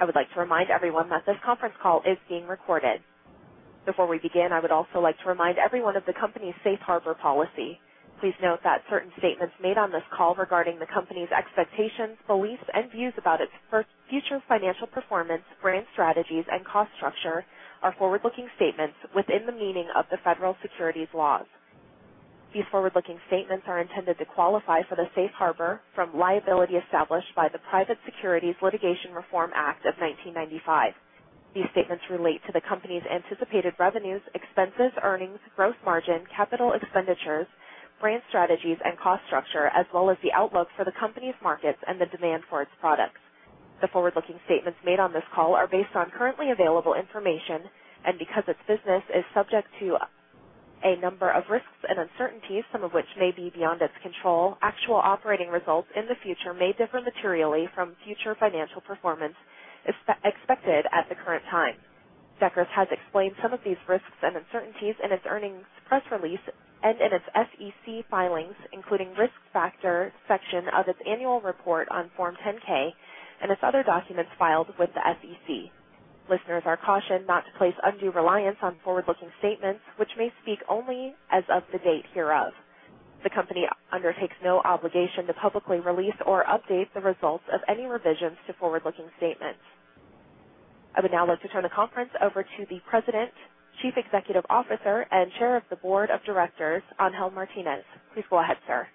I would like to remind everyone that this conference call is being recorded. Before we begin, I would also like to remind everyone of the company's safe harbor policy. Please note that certain statements made on this call regarding the company's expectations, beliefs, and views about its future financial performance, brand strategies, and cost structure are forward-looking statements within the meaning of the federal securities laws. These forward-looking statements are intended to qualify for the safe harbor from liability established by the Private Securities Litigation Reform Act of 1995. These statements relate to the company's anticipated revenues, expenses, earnings, gross margin, capital expenditures, brand strategies, and cost structure, as well as the outlook for the company's markets and the demand for its products. The forward-looking statements made on this call are based on currently available information, and because its business is subject to a number of risks and uncertainties, some of which may be beyond its control, actual operating results in the future may differ materially from future financial performance expected at the current time. Deckers has explained some of these risks and uncertainties in its earnings press release and in its SEC filings, including risk factor section of its annual report on Form 10-K and its other documents filed with the SEC. Listeners are cautioned not to place undue reliance on forward-looking statements, which may speak only as of the date hereof. The company undertakes no obligation to publicly release or update the results of any revisions to forward-looking statements. I would now like to turn the conference over to the President, Chief Executive Officer, and Chair of the Board of Directors, Angel Martinez. Please go ahead, sir.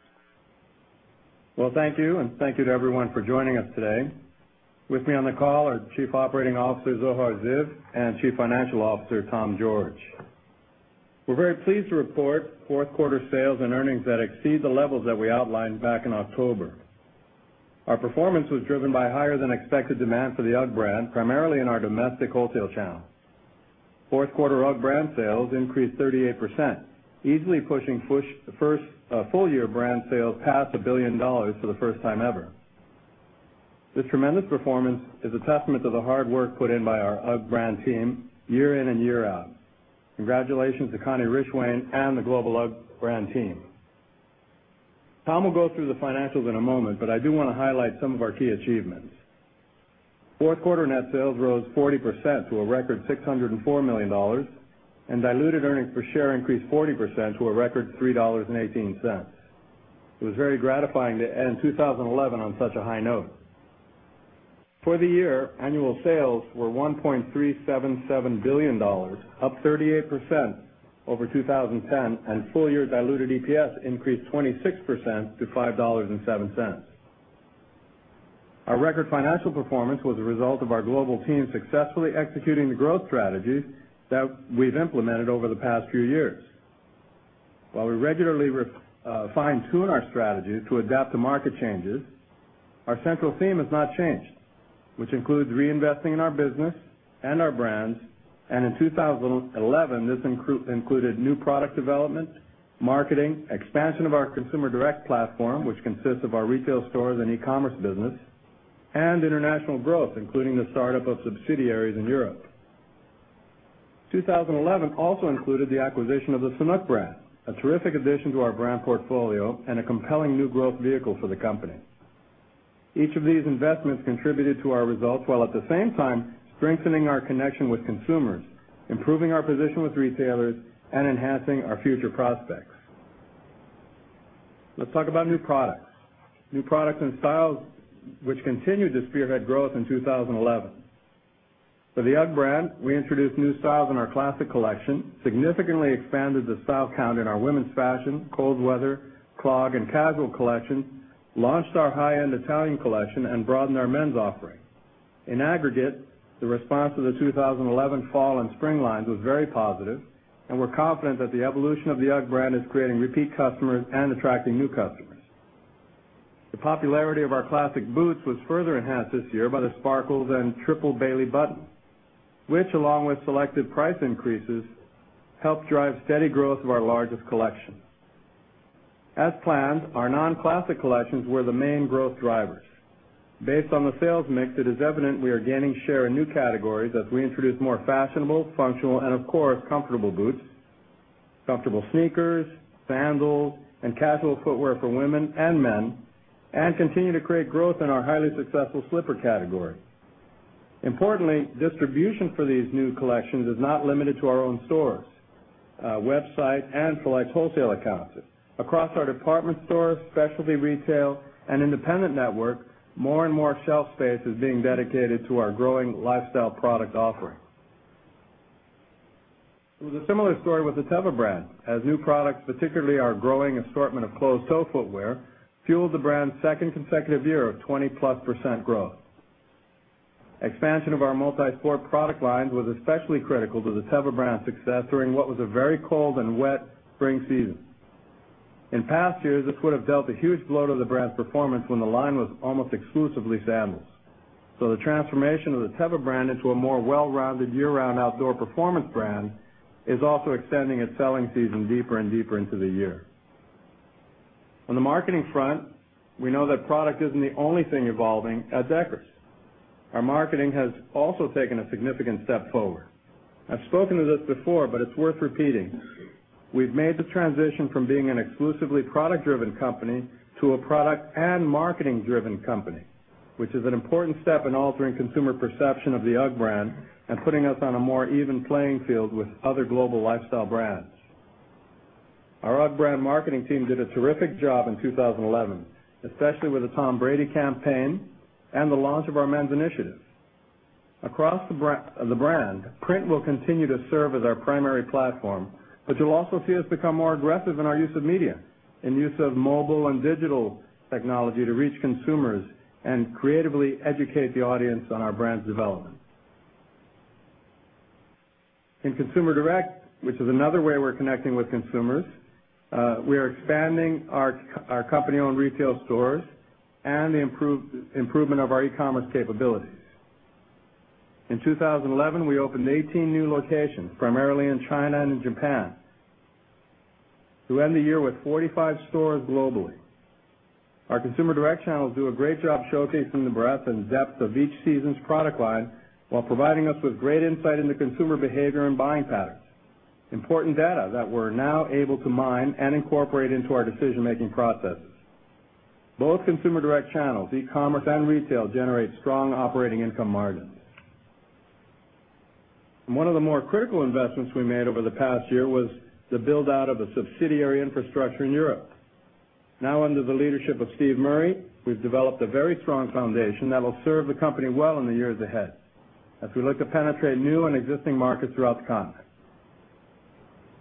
Thank you, and thank you to everyone for joining us today. With me on the call are Chief Operating Officer, Zohar Ziv, and Chief Financial Officer, Tom George. We're very pleased to report fourth quarter sales and earnings that exceed the levels that we outlined back in October. Our performance was driven by higher than expected demand for the UGG brand, primarily in our domestic wholesale channel. Fourth quarter brand sales increased 38%, easily pushing the first full year brand sales past $1 billion for the first time ever. This tremendous performance is a testament to the hard work put in by our UGG brand team year in and year out. Congratulations to Constance Rishwain and the global UGG brand team. Tom will go through the financials in a moment, but I do want to highlight some of our key achievements. Fourth quarter net sales rose 40% to a record $604 million, and diluted earnings per share increased 40% to a record $3.18. It was very gratifying to end 2011 on such a high note. For the year, annual sales were $1.377 billion, up 38% over 2010, and full year diluted EPS increased 26% to $5.07. Our record financial performance was a result of our global team successfully executing the growth strategies that we've implemented over the past few years. While we regularly fine-tune our strategies to adapt to market changes, our central theme has not changed, which includes reinvesting in our business and our brands. In 2011, this included new product developments, marketing, expansion of our consumer direct platform, which consists of our retail stores and e-commerce business, and international growth, including the startup of subsidiaries in Europe. 2011 also included the acquisition of the Sanuk brand, a terrific addition to our brand portfolio and a compelling new growth vehicle for the company. Each of these investments contributed to our results while at the same time strengthening our connection with consumers, improving our position with retailers, and enhancing our future prospects. Let's talk about new products, new products and styles which continue to spearhead growth in 2011. For the UGG brand, we introduced new styles in our Classic Collection, significantly expanded the style count in our women's fashion, cold weather, flared, and casual collection, launched our high-end Italian collection, and broadened our men's offering. In aggregate, the response to the 2011 fall and spring lines was very positive, and we're confident that the evolution of the UGG brand is creating repeat customers and attracting new customers. The popularity of our classic boots was further enhanced this year by the sparkles and Triplet Bailey Button, which, along with selected price increases, helped drive steady growth of our largest collection. As planned, our non-classic collections were the main growth drivers. Based on the sales mix, it is evident we are gaining share in new categories as we introduce more fashionable, functional, and of course, comfortable boots, comfortable sneakers, sandals, and casual footwear for women and men, and continue to create growth in our highly successful slipper category. Importantly, distribution for these new collections is not limited to our own stores, websites, and select wholesale accounts. Across our department stores, specialty retail, and independent network, more and more shelf space is being dedicated to our growing lifestyle product offering. It was a similar story with the Teva brand, as new products, particularly our growing assortment of closed-toe footwear, fueled the brand's second consecutive year of 20%+ growth. Expansion of our multi-sport product lines was especially critical to the Teva brand's success during what was a very cold and wet spring season. In past years, this would have dealt a huge blow to the brand's performance when the line was almost exclusively sandals. The transformation of the Teva brand into a more well-rounded year-round outdoor performance brand is also extending its selling season deeper and deeper into the year. On the marketing front, we know that product isn't the only thing evolving at Deckers. Our marketing has also taken a significant step forward. I've spoken to this before, but it's worth repeating. We've made the transition from being an exclusively product-driven company to a product and marketing-driven company, which is an important step in altering consumer perception of the UGG brand and putting us on a more even playing field with other global lifestyle brands. Our UGG brand marketing team did a terrific job in 2011, especially with the Tom Brady campaignand the launch of our men's initiative. Across the brand, print will continue to serve as our primary platform, but you'll also see us become more aggressive in our use of media, in use of mobile and digital technology to reach consumers and creatively educate the audience on our brand's development. In consumer direct, which is another way we're connecting with consumers, we are expanding our company-owned retail stores and the improvement of our e-commerce capabilities. In 2011, we opened 18 new locations, primarily in China and in Japan, to end the year with 45 stores globally. Our consumer direct channels do a great job showcasing the breadth and depth of each season's product line while providing us with great insight into consumer behavior and buying patterns, important data that we're now able to mine and incorporate into our decision-making process. Both consumer direct channels, e-commerce and retail, generate strong operating income margins. One of the more critical investments we made over the past year was the build-out of a subsidiary infrastructure in Europe. Now under the leadership of Steve Murray, we've developed a very strong foundation that will serve the company well in the years ahead as we look to penetrate new and existing markets throughout the continent.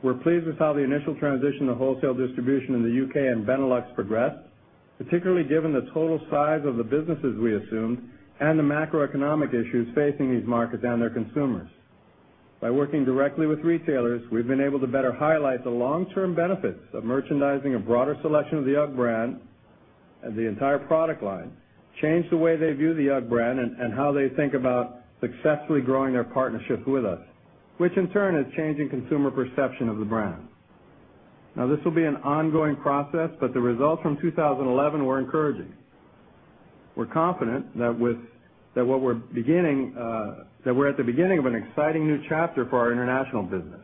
We're pleased with how the initial transition to wholesale distribution in the U.K. and Benelux progressed, particularly given the total size of the businesses we assumed and the macroeconomic issues facing these markets and their consumers. By working directly with retailers, we've been able to better highlight the long-term benefits of merchandising a broader selection of the UGG brand and the entire product line, change the way they view the UGG brand and how they think about successfully growing their partnerships with us, which in turn is changing consumer perception of the brand. This will be an ongoing process, but the results from 2011 were encouraging. We're confident that we're at the beginning of an exciting new chapter for our international business,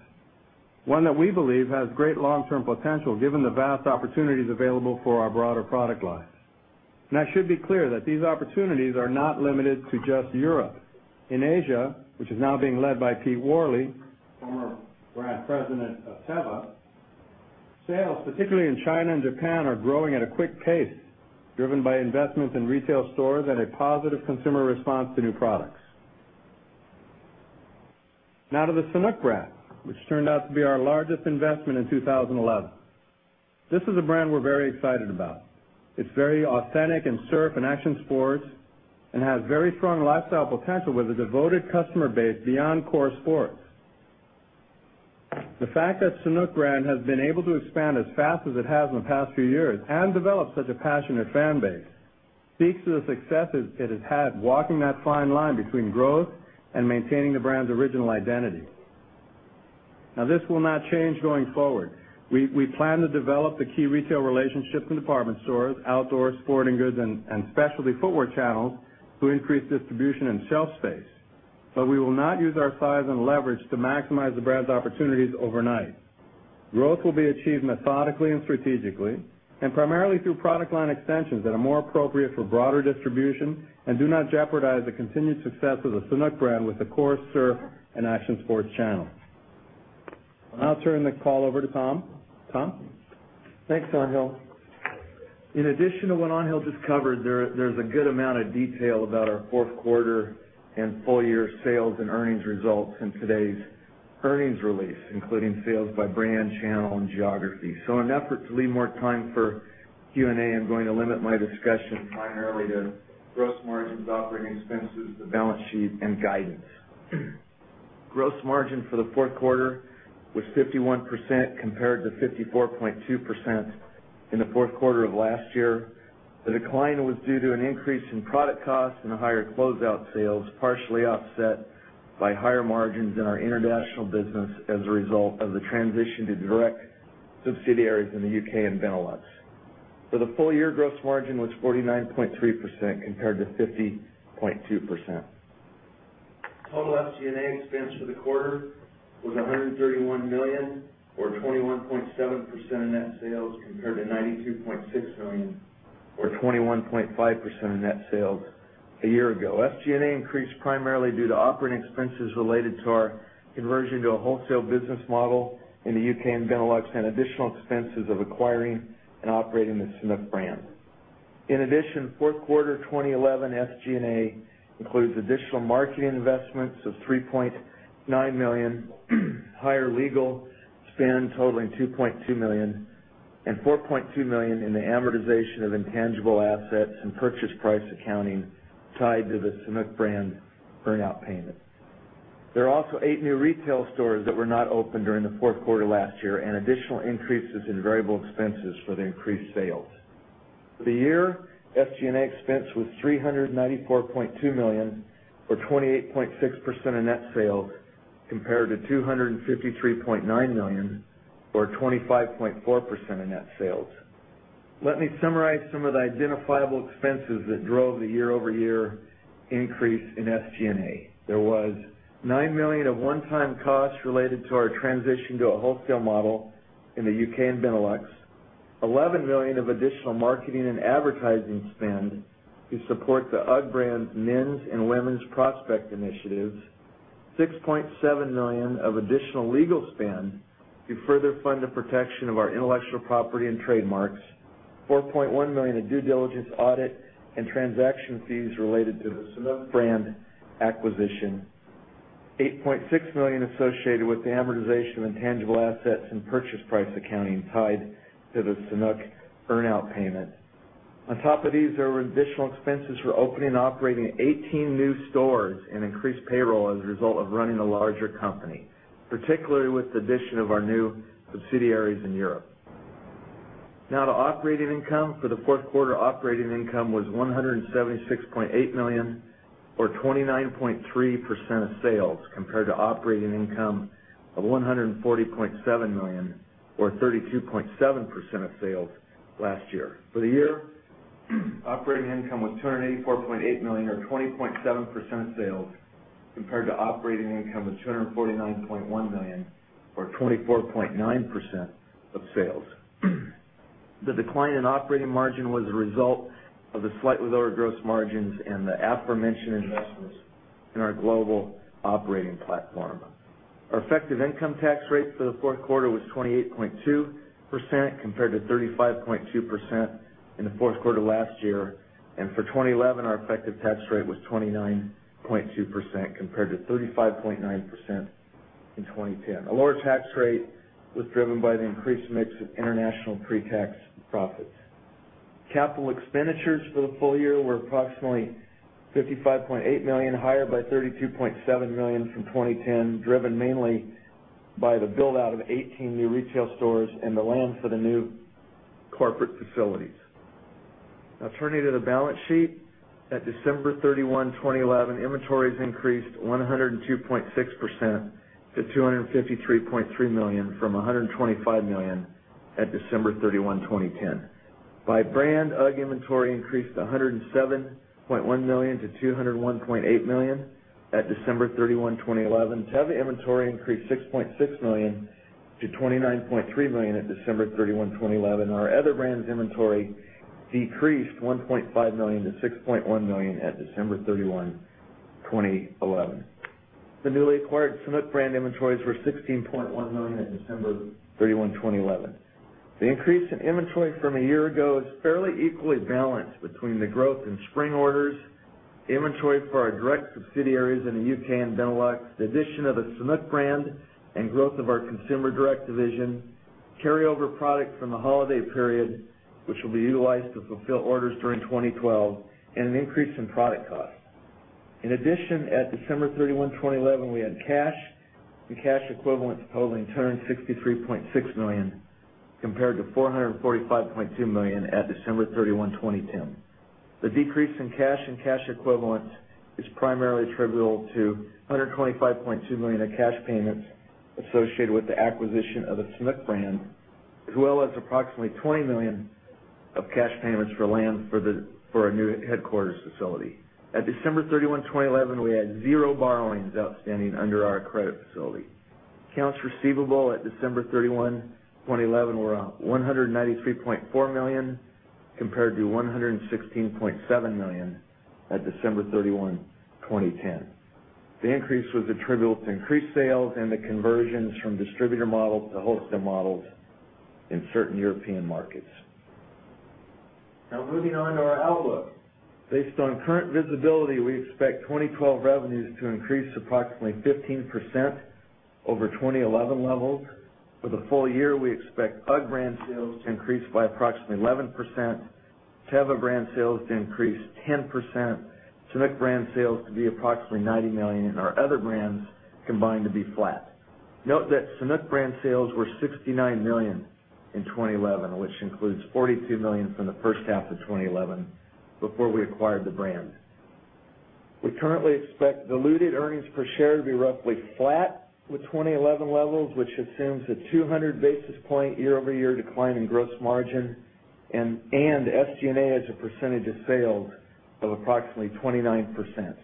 one that we believe has great long-term potential given the vast opportunities available for our broader product line. I should be clear that these opportunities are not limited to just Europe. In Asia, which is now being led by Pete Worley, former brand president of Teva, sales, particularly in China and Japan, are growing at a quick pace, driven by investments in retail stores and a positive consumer response to new products. Now to the Sanuk brand, which turned out to be our largest investment in 2011. This is a brand we're very excited about. It's very authentic in surf and action sports and has very strong lifestyle potential with a devoted customer base beyond core sports. The fact that Sanuk brand has been able to expand as fast as it has in the past few years and develop such a passionate fan base speaks to the success it has had walking that fine line between growth and maintaining the brand's original identity. This will not change going forward. We plan to develop the key retail relationships in department stores, outdoor sporting goods, and specialty footwear channels to increase distribution and shelf space, but we will not use our size and leverage to maximize the brand's opportunities overnight. Growth will be achieved methodically and strategically, and primarily through product line extensions that are more appropriate for broader distribution and do not jeopardize the continued success of the Sanuk brand with the core surf and action sports channel. I'll turn the call over to Tom. Tom? Thanks, Angel. In addition to what Angel discussed, there's a good amount of detail about our fourth quarter and full year sales and earnings results in today's earnings release, including sales by brand, channel, and geography. In an effort to leave more time for Q&A, I'm going to limit my discussion primarily to gross margins, operating expenses, the balance sheet, and guidance. Gross margin for the fourth quarter was 51% compared to 54.2% in the fourth quarter of last year. The decline was due to an increase in product costs and higher closeout sales, partially offset by higher margins in our international business as a result of the transition to direct subsidiaries in the U.K. and Benelux. For the full year, gross margin was 49.3% compared to 50.2%. Total SG&A expense for the quarter was $131 million, or 21.7% of net sales, compared to $92.6 million, or 21.5% of net sales a year ago. SG&A increased primarily due to operating expenses related to our conversion to a wholesale business model in the U.K. and Benelux and additional expenses of acquiring and operating the Sanuk brand. In addition, fourth quarter 2011 SG&A includes additional marketing investments of $3.9 million, higher legal spend totaling $2.2 million, and $4.2 million in the amortization of intangible assets and purchase price accounting tied to the Sanuk brand earnout payment. There are also eight new retail stores that were not open during the fourth quarter last year and additional increases in variable expenses for the increased sales. For the year, SG&A expense was $394.2 million, or 28.6% of net sales, compared to $253.9 million, or 25.4% of net sales. Let me summarize some of the identifiable expenses that drove the year-over-year increase in SG&A. There was $9 million of one-time costs related to our transition to a wholesale model in the U.K. and Benelux, $11 million of additional marketing and advertising spend to support the UGG brand men's and women's prospect initiatives, $6.7 million of additional legal spend to further fund the protection of our intellectual property and trademarks, $4.1 million of due diligence audit and transaction fees related to the Sanuk brand acquisition, $8.6 million associated with the amortization of intangible assets and purchase price accounting tied to the Sanuk earnout payment. On top of these, there were additional expenses for opening and operating 18 new stores and increased payroll as a result of running a larger company, particularly with the addition of our new subsidiaries in Europe. Now, the operating income for the fourth quarter was $176.8 million, or 29.3% of sales, compared to operating income of $140.7 million, or 32.7% of sales last year. For the year, operating income was $284.8 million, or 20.7% of sales, compared to operating income of $249.1 million, or 24.9% of sales. The decline in operating margin was a result of the slightly lower gross margins and the aforementioned issues in our global operating platform. Our effective income tax rate for the fourth quarter was 28.2% compared to 35.2% in the fourth quarter last year. For 2011, our effective tax rate was 29.2% compared to 35.9% in 2010. A lower tax rate was driven by the increased mix of international pre-tax profits. Capital expenditures for the full year were approximately $55.8 million, higher by $32.7 million from 2010, driven mainly by the build-out of 18 new retail stores and the land for the new corporate facilities. Now, turning to the balance sheet, at December 31, 2011, inventories increased 102.6% to $253.3 million from $125 million at December 31, 2010. By brand, UGG inventory increased $107.1 million-$201.8 million at December 31, 2011. Teva inventory increased $6.6 million-$29.3 million at December 31, 2011. Our other brands' inventory decreased $1.5 million-$6.1 million at December 31, 2011. The newly acquired Sanuk brand inventories were $16.1 million at December 31, 2011. The increase in inventory from a year ago is fairly equally balanced between the growth in spring orders, inventory for our direct subsidiaries in the U.K. and Benelux, the addition of the Sanuk brand, and growth of our consumer direct division, carryover product from the holiday period, which will be utilized to fulfill orders during 2012, and an increase in product costs. In addition, at December 31, 2011, we had cash and cash equivalents totaling $263.6 million compared to $445.2 million at December 31, 2010. The decrease in cash and cash equivalents is primarily attributable to $125.2 million in cash payments associated with the acquisition of the Sanuk brand, as well as approximately $20 million of cash payments for land for a new headquarters facility. At December 31, 2011, we had zero borrowings outstanding under our credit facility. Accounts receivable at December 31, 2011, were $193.4 million compared to $116.7 million at December 31, 2010. The increase was attributable to increased sales and the conversions from distributor models to wholesale models in certain European markets. Now, moving on to our outlook. Based on current visibility, we expect 2012 revenues to increase approximately 15% over 2011 levels. For the full year, we expect UGG brand sales to increase by approximately 11%, Teva brand sales to increase 10%, Sanuk brand sales to be approximately $90 million, and our other brands combined to be flat. Note that Sanuk brand sales were $69 million in 2011, which includes $42 million from the first half of 2011 before we acquired the brand. We currently expect diluted EPS to be roughly flat with 2011 levels, which assumes a 200 basis point year-over-year decline in gross margin and SG&A as a percentage of sales of approximately 29%.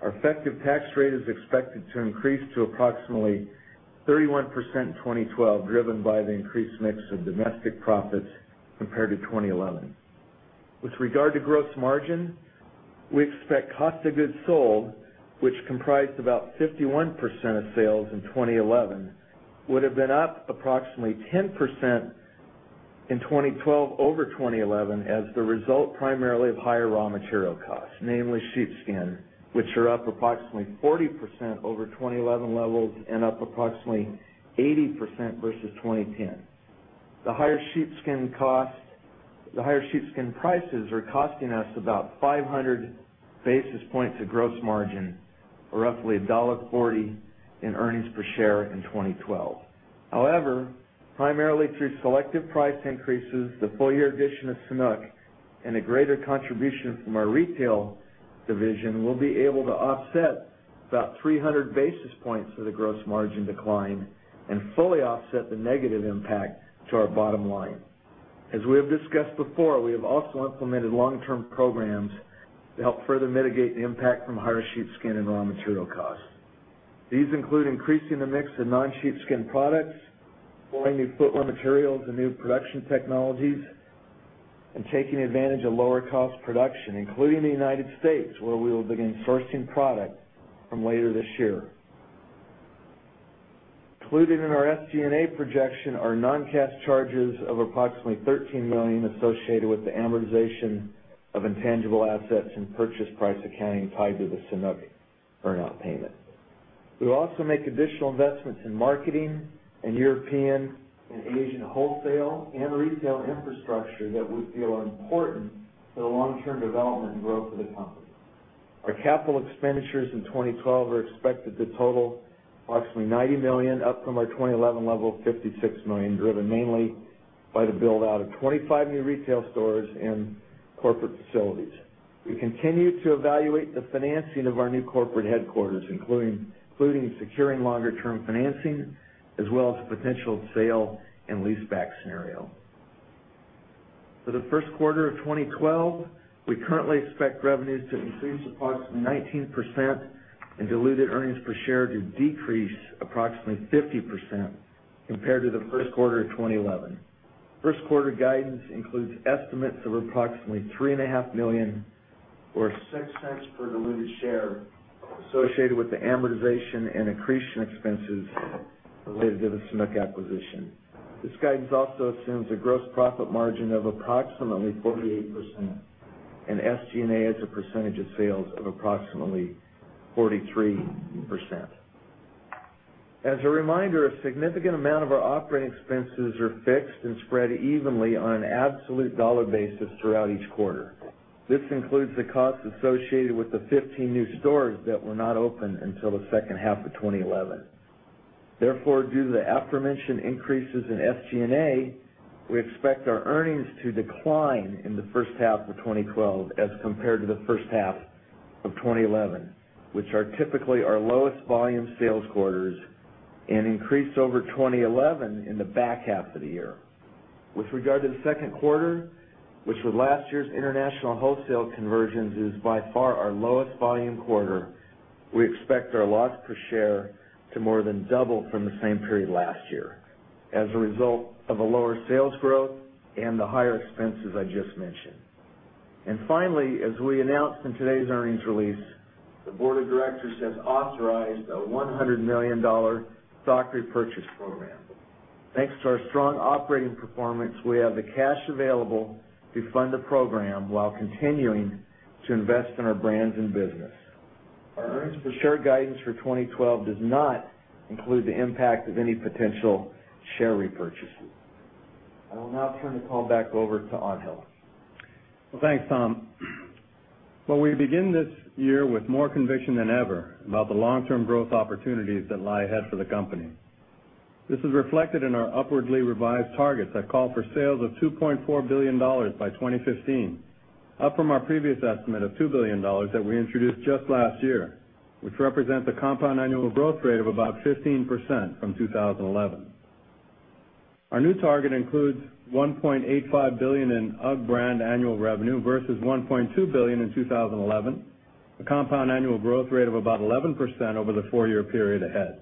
Our effective tax rate is expected to increase to approximately 31% in 2012, driven by the increased mix of domestic profits compared to 2011. With regard to gross margin, we expect cost of goods sold, which comprised about 51% of sales in 2011, would have been up approximately 10% in 2012 over 2011 as the result primarily of higher raw material costs, namely sheepskin, which are up approximately 40% over 2011 levels and up approximately 80% versus 2010. The higher sheepskin costs, the higher sheepskin prices are costing us about 500 basis points of gross margin, roughly $1.40 in earnings per share in 2012. However, primarily through selective price increases, the full year addition of Sanuk and a greater contribution from our retail division will be able to offset about 300 basis points of the gross margin decline and fully offset the negative impact to our bottom line. As we have discussed before, we have also implemented long-term programs to help further mitigate the impact from higher sheepskin and raw material costs. These include increasing the mix of non-sheepskin products, buying new footwear materials and new production technologies, and taking advantage of lower cost production, including the United States, where we will begin sourcing product from later this year. Included in our SG&A projection are non-cash charges of approximately $13 million associated with the amortization of intangible assets and purchase price accounting tied to the Sanuk earnout payment. We will also make additional investments in marketing and European and Asian wholesale and retail infrastructure that we feel are important for the long-term development and growth of the company. Our capital expenditures in 2012 are expected to total approximately $90 million, up from our 2011 level of $56 million, driven mainly by the build-out of 25 new retail stores and corporate facilities. We continue to evaluate the financing of our new corporate headquarters, including securing longer-term financing, as well as the potential sale and leaseback scenario. For the first quarter of 2012, we currently expect revenues to increase approximately 19% and diluted earnings per share to decrease approximately 50% compared to the first quarter of 2011. First quarter guidance includes estimates of approximately $3.5 million, or $0.03 per diluted share, associated with the amortization and accretion expenses related to the Sanuk acquisition. This guidance also assumes a gross profit margin of approximately 48% and SG&A as a percentage of sales of approximately 43%. As a reminder, a significant amount of our operating expenses are fixed and spread evenly on an absolute dollar basis throughout each quarter. This includes the cost associated with the 15 new stores that were not open until the second half of 2011. Therefore, due to the aforementioned increases in SG&A, we expect our earnings to decline in the first half of 2012 as compared to the first half of 2011, which are typically our lowest volume sales quarters, and increase over 2011 in the back half of the year. With regard to the second quarter, which with last year's international wholesale conversions, is by far our lowest volume quarter. We expect our loss per share to more than double from the same period last year as a result of lower sales growth and the higher expenses I just mentioned. Finally, as we announced in today's earnings release, the Board of Directors has authorized a $100 million stock repurchase program. Thanks to our strong operating performance, we have the cash available to fund the program while continuing to invest in our brands and business. The share guidance for 2012 does not include the impact of any potential share repurchases. I will now turn the call back over to Angel. Thanks, Tom. We begin this year with more conviction than ever about the long-term growth opportunities that lie ahead for the company. This is reflected in our upwardly revised targets. I call for sales of $2.4 billion by 2015, up from our previous estimate of $2 billion that we introduced just last year, which represents a compound annual growth rate of about 15% from 2011. Our new target includes $1.85 billion in UGG brand annual revenue versus $1.2 billion in 2011, a compound annual growth rate of about 11% over the four-year period ahead.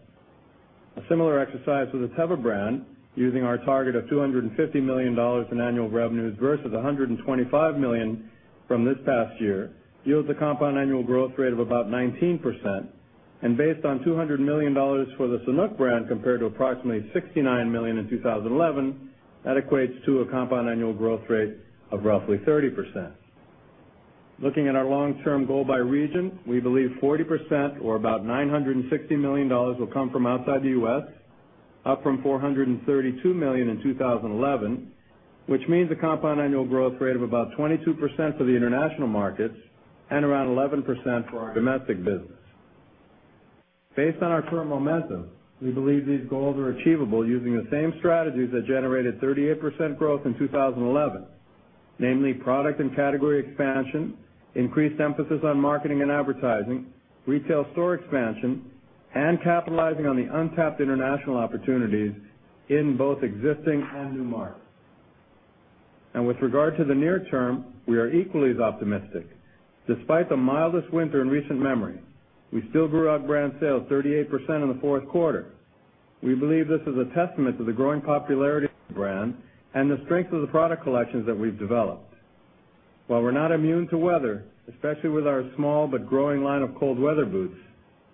A similar exercise with the Teva brand, using our target of $250 million in annual revenues versus $125 million from this past year, yields a compound annual growth rate of about 19%. Based on $200 million for the Sanuk brand compared to approximately $69 million in 2011, that equates to a compound annual growth rate of roughly 30%. Looking at our long-term goal by region, we believe 40% or about $960 million will come from outside the U.S., up from $432 million in 2011, which means a compound annual growth rate of about 22% for the international markets and around 11% for our domestic business. Based on our firm momentum, we believe these goals are achievable using the same strategies that generated 38% growth in 2011, namely product and category expansion, increased emphasis on marketing and advertising, retail store expansion, and capitalizing on the untapped international opportunities in both existing and new markets. With regard to the near term, we are equally as optimistic. Despite the mildest winter in recent memory, we still grew UGG brand sales 38% in the fourth quarter. We believe this is a testament to the growing popularity of the brand and the strength of the product collections that we've developed. While we're not immune to weather, especially with our small but growing line of cold weather boots,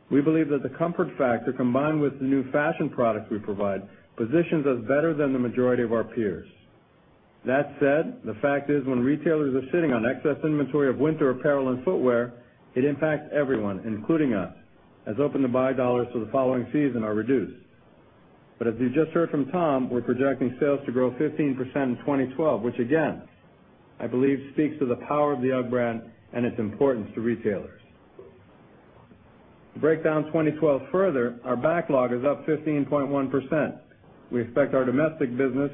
we believe that the comfort factor combined with the new fashion products we provide positions us better than the majority of our peers. That said, the fact is when retailers are sitting on excess inventory of winter apparel and footwear, it impacts everyone, including us, as open to buy dollars for the following season are reduced. As you just heard from Tom, we're projecting sales to grow 15% in 2012, which again, I believe, speaks to the power of the UGG brand and its importance to retailers. To break down 2012 further, our backlog is up 15.1%. We expect our domestic business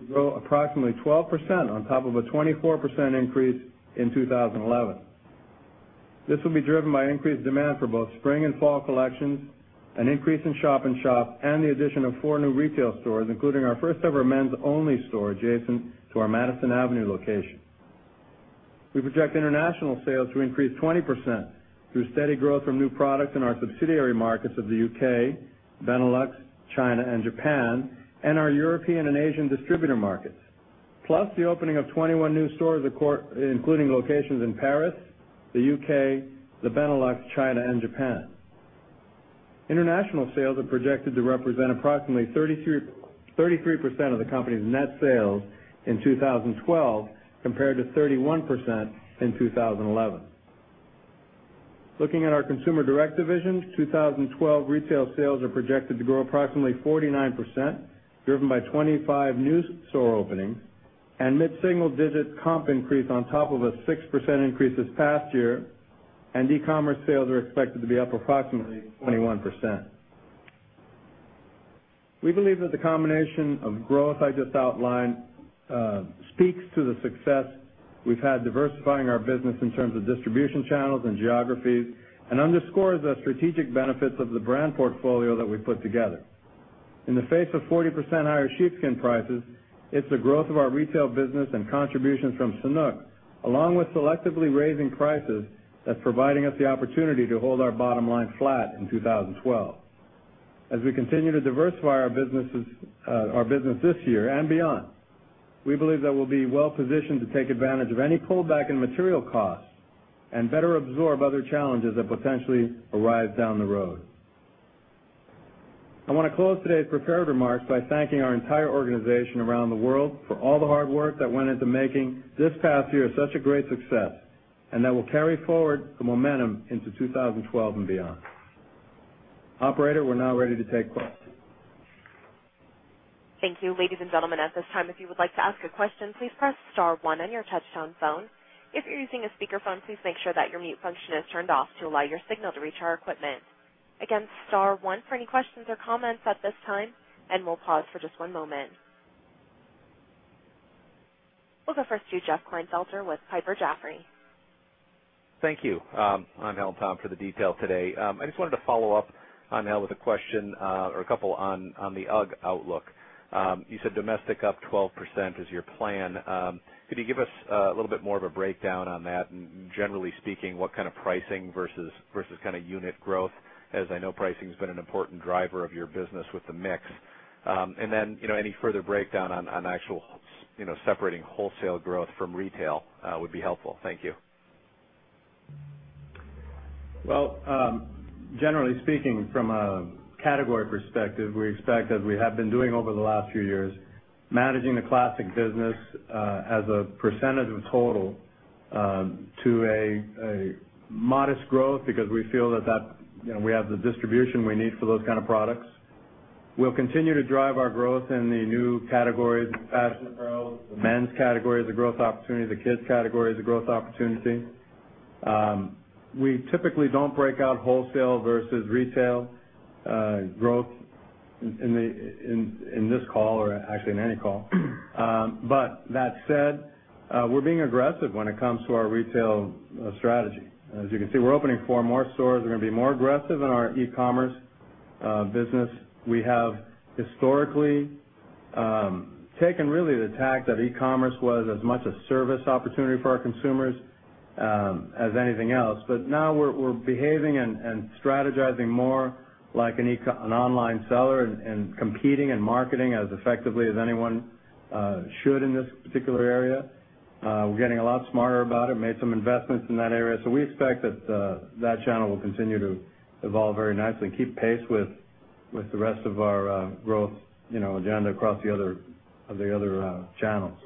to grow approximately 12% on top of a 24% increase in 2011. This will be driven by increased demand for both spring and fall collections, an increase in shop-in-shop, and the addition of four new retail stores, including our first-ever men's-only store adjacent to our Madison Avenue location. We project international sales to increase 20% through steady growth from new products in our subsidiary markets of the U.K., Benelux, China, and Japan, and our European and Asian distributor markets, plus the opening of 21 new stores, including locations in Paris, the U.K., the Benelux, China, and Japan. International sales are projected to represent approximately 33% of the company's net sales in 2012 compared to 31% in 2011. Looking at our consumer direct division, 2012 retail sales are projected to grow approximately 49%, driven by 25 new store openings and mid-single digit comp increase on top of a 6% increase this past year. E-commerce sales are expected to be up approximately 21%. We believe that the combination of growth I just outlined speaks to the success we've had diversifying our business in terms of distribution channels and geographies and underscores the strategic benefits of the brand portfolio that we've put together. In the face of 40% higher sheepskin prices, it's the growth of our retail business and contributions from Sanuk, along with selectively raising prices, that's providing us the opportunity to hold our bottom line flat in 2012. As we continue to diversify our business this year and beyond, we believe that we'll be well-positioned to take advantage of any pullback in material costs and better absorb other challenges that potentially arise down the road. I want to close today's prepared remarks by thanking our entire organization around the world for all the hard work that went into making this past year such a great success and that will carry forward the momentum into 2012 and beyond. Operator, we're now ready to take questions. Thank you, ladies and gentlemen. At this time, if you would like to ask a question, please press star one on your touch-tone phone. If you're using a speakerphone, please make sure that your mute function is turned off to allow your signal to reach our equipment. Again, star one for any questions or comments at this time. We'll pause for just one moment. We'll go first to Jeff Klinefelter with Piper Jaffray. Thank you, Angel, Tom, for the detail today. I just wanted to follow up, Angel, with a question or a couple on the UGG outlook. You said domestic up 12% is your plan. Could you give us a little bit more of a breakdown on that? Generally speaking, what kind of pricing versus kind of unit growth, as I know pricing's been an important driver of your business with the mix. Any further breakdown on actual, you know, separating wholesale growth from retail would be helpful. Thank you. Generally speaking, from a category perspective, we expect, as we have been doing over the last few years, managing the classic business as a percentage of total to a modest growth because we feel that we have the distribution we need for those kind of products. We'll continue to drive our growth in the new categories as men's categories of growth opportunity, the kids' categories of growth opportunity. We typically don't break out wholesale versus retail growth in this call or actually in any call. That said, we're being aggressive when it comes to our retail strategy. As you can see, we're opening four more stores. We're going to be more aggressive in our e-commerce business. We have historically taken really the tact that e-commerce was as much a service opportunity for our consumers as anything else. Now we're behaving and strategizing more like an online seller and competing and marketing as effectively as anyone should in this particular area. We're getting a lot smarter about it, made some investments in that area. We expect that channel will continue to evolve very nicely and keep pace with the rest of our growth agenda across the other channels.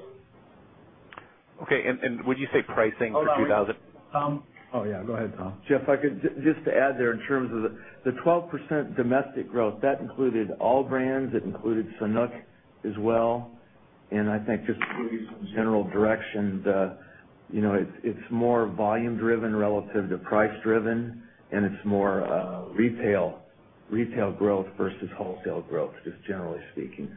Okay, when you say pricing for 2000. Oh, yeah. Go ahead, Tom. Jeff, I could just add there in terms of the 12% domestic growth, that included all brands, it included Sanuk as well. I think just from a general direction, you know, it's more volume-driven relative to price-driven, and it's more retail growth versus wholesale growth, just generally speaking.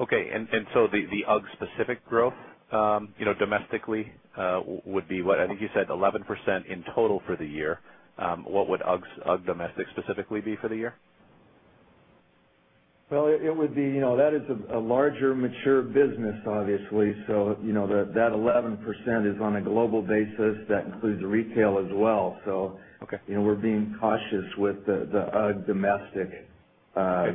Okay. The UGG specific growth, you know, domestically would be what I think you said 11% in total for the year. What would UGG domestic specifically be for the year? That is a larger mature business, obviously. That 11% is on a global basis that includes retail as well. We're being cautious with the UGG domestic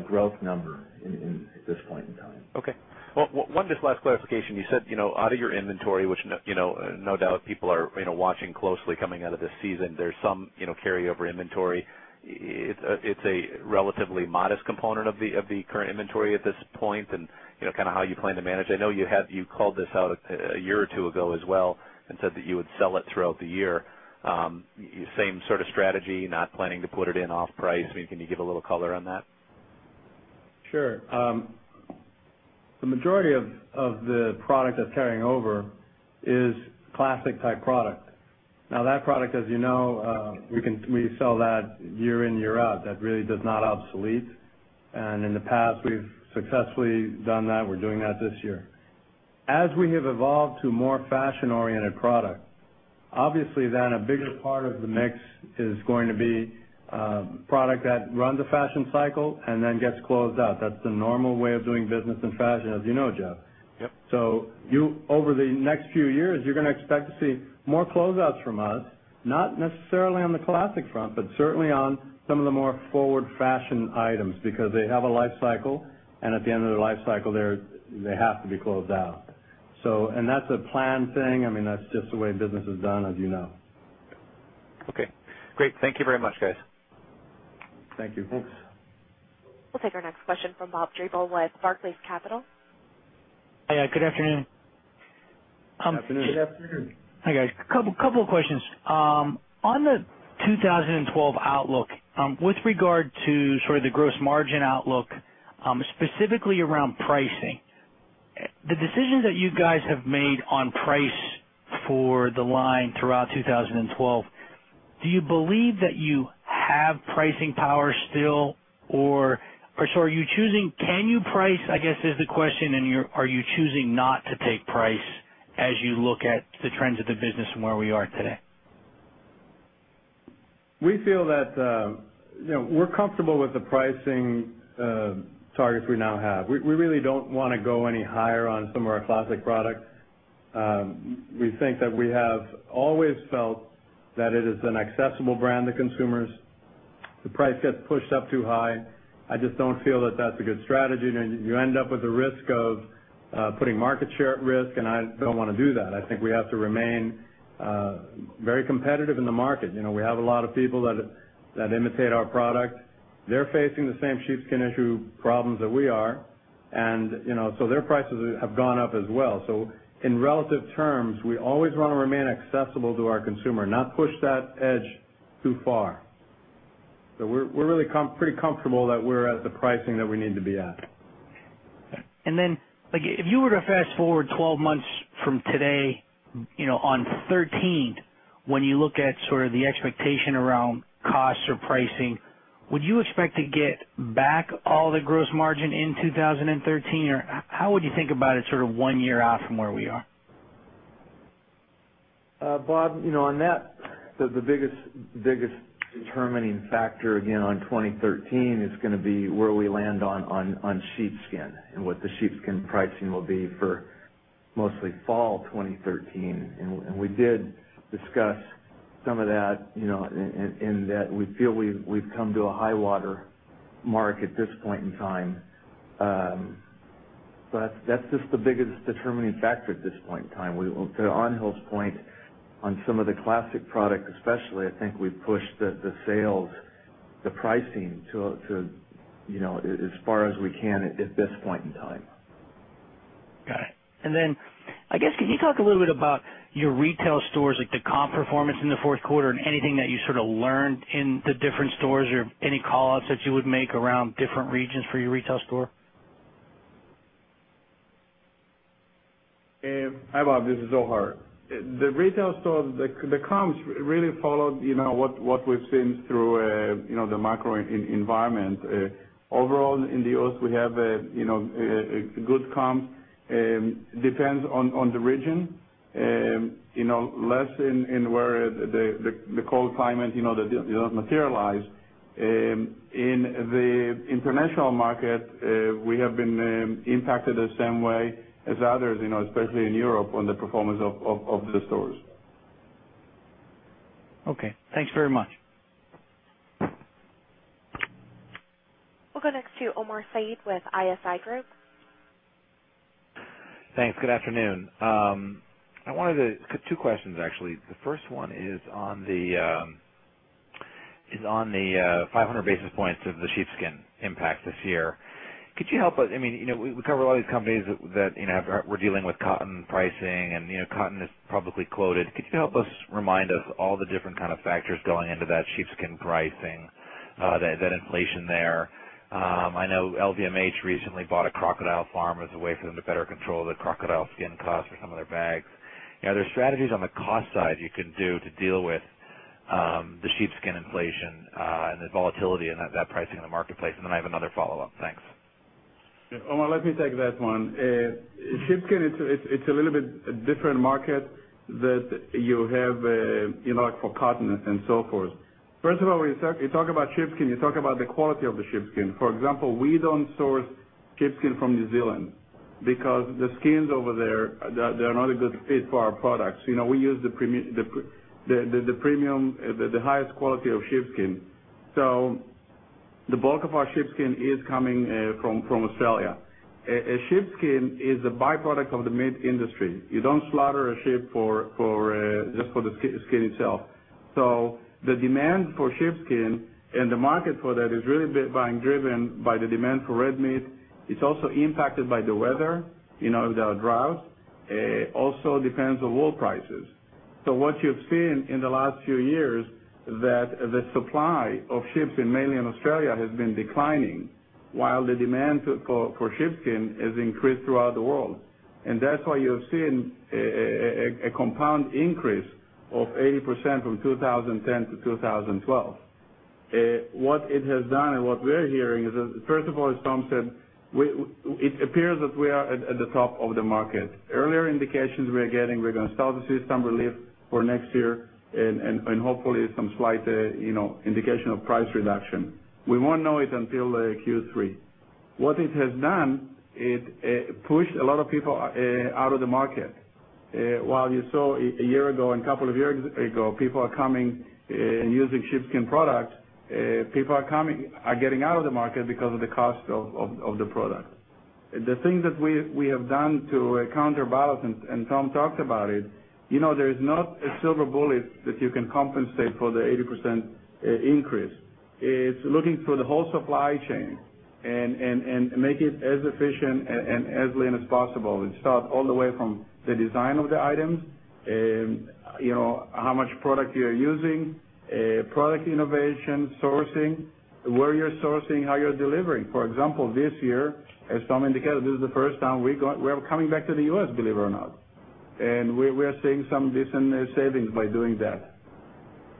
growth number at this point in time. Okay. One last clarification. You said, out of your inventory, which no doubt people are watching closely coming out of this season, there's some carryover inventory. It's a relatively modest component of the current inventory at this point. Kind of how you plan to manage it. I know you called this out a year or two ago as well and said that you would sell it throughout the year. Same sort of strategy, not planning to put it in off price. Can you give a little color on that? Sure. The majority of the product that's carrying over is classic type product. Now that product, as you know, we sell that year in, year out. That really does not obsolete. In the past, we've successfully done that. We're doing that this year. As we have evolved to a more fashion-oriented product, obviously then a bigger part of the mix is going to be product that runs a fashion cycle and then gets closed out. That's the normal way of doing business in fashion, as you know, Jeff. Over the next few years, you're going to expect to see more closeouts from us, not necessarily on the classic front, but certainly on some of the more forward fashion items because they have a life cycle, and at the end of the life cycle, they have to be closed out. That's a planned thing. I mean, that's just the way business is done, as you know. Okay, great. Thank you very much, guys. Thank you. Thanks. We'll take our next question from Bob Drabble with Barclays Capital. Hi, good afternoon. Good afternoon. Hi, guys. Couple of questions. On the 2012 outlook, with regard to the gross margin outlook, specifically around pricing, the decisions that you guys have made on price for the line throughout 2012, do you believe that you have pricing power still, or are you choosing, can you price, I guess, is the question, and are you choosing not to take price as you look at the trends of the business and where we are today? We feel that, you know, we're comfortable with the pricing targets we now have. We really don't want to go any higher on some of our classic product. We think that we have always felt that it is an accessible brand to consumers. If the price gets pushed up too high, I just don't feel that that's a good strategy. You end up with the risk of putting market share at risk, and I don't want to do that. I think we have to remain very competitive in the market. We have a lot of people that imitate our product. They're facing the same sheepskin issue problems that we are, and their prices have gone up as well. In relative terms, we always want to remain accessible to our consumer, not push that edge too far. We're really pretty comfortable that we're at the pricing that we need to be at. If you were to fast forward 12 months from today, you know, on 2013, when you look at sort of the expectation around costs or pricing, would you expect to get back all the gross margin in 2013, or how would you think about it sort of one year out from where we are? Bob, you know, on that, the biggest determining factor, again, on 2013 is going to be where we land on sheepskin and what the sheepskin pricing will be for mostly fall 2013. We did discuss some of that, you know, and we feel we've come to a high-water mark at this point in time. That's just the biggest determining factor at this point in time. To Angel's point, on some of the classic product especially, I think we've pushed the sales, the pricing to, you know, as far as we can at this point in time. Got it. Can you talk a little bit about your retail stores, like the comp performance in the fourth quarter and anything that you sort of learned in the different stores or any call-outs that you would make around different regions for your retail store? Hi, Bob. This is Zohar. The retail store comps really followed what we've seen through the macro environment. Overall, in the U.S., we have a good comp. It depends on the region, less in where the cold climate does not materialize. In the international market, we have been impacted the same way as others, especially in Europe on the performance of the stores. Okay, thanks very much. Next is Omar Saad with ISI Group. Thanks. Good afternoon. I wanted to get two questions, actually. The first one is on the 500 basis points of the sheepskin impact this year. Could you help us? I mean, you know, we cover a lot of these companies that, you know, we're dealing with cotton pricing, and you know, cotton is publicly quoted. Could you help us remind us all the different kind of factors going into that sheepskin pricing, that inflation there? I know LVMH recently bought a crocodile farm. There's a way for them to better control the crocodile skin costs for some of their bags. Are there strategies on the cost side you can do to deal with the sheepskin inflation and the volatility in that pricing in the marketplace? I have another follow-up. Thanks. Omar, let me take that one. Sheepskin, it's a little bit different market that you have, you know, like for cotton and so forth. First of all, when you talk about sheepskin, you talk about the quality of the sheepskin. For example, we don't source sheepskin from New Zealand because the skins over there, they're not a good fit for our products. We use the premium, the highest quality of sheepskin. The bulk of our sheepskin is coming from Australia. A sheepskin is a byproduct of the meat industry. You don't slaughter a sheep just for the skin itself. The demand for sheepskin and the market for that is really being driven by the demand for red meat. It's also impacted by the weather, you know, if there are droughts. It also depends on wool prices. What you've seen in the last few years is that the supply of sheepskin, mainly in Australia, has been declining while the demand for sheepskin has increased throughout the world. That's why you've seen a compound increase of 80% from 2010-2012. What it has done and what we're hearing is that, first of all, as Tom said, it appears that we are at the top of the market. Earlier indications we are getting, we're going to start to see some relief for next year and hopefully some slight indication of price reduction. We won't know it until Q3. What it has done, it pushed a lot of people out of the market. While you saw a year ago and a couple of years ago, people are coming and using sheepskin products, people are coming, are getting out of the market because of the cost of the product. The things that we have done to counterbalance, and Tom talked about it, there is not a silver bullet that you can compensate for the 80% increase. It's looking for the whole supply chain and making it as efficient and as lean as possible and start all the way from the design of the items, you know, how much product you're using, product innovation, sourcing, where you're sourcing, how you're delivering. For example, this year, as Tom indicated, this is the first time we're coming back to the U.S., believe it or not. We are seeing some decent savings by doing that.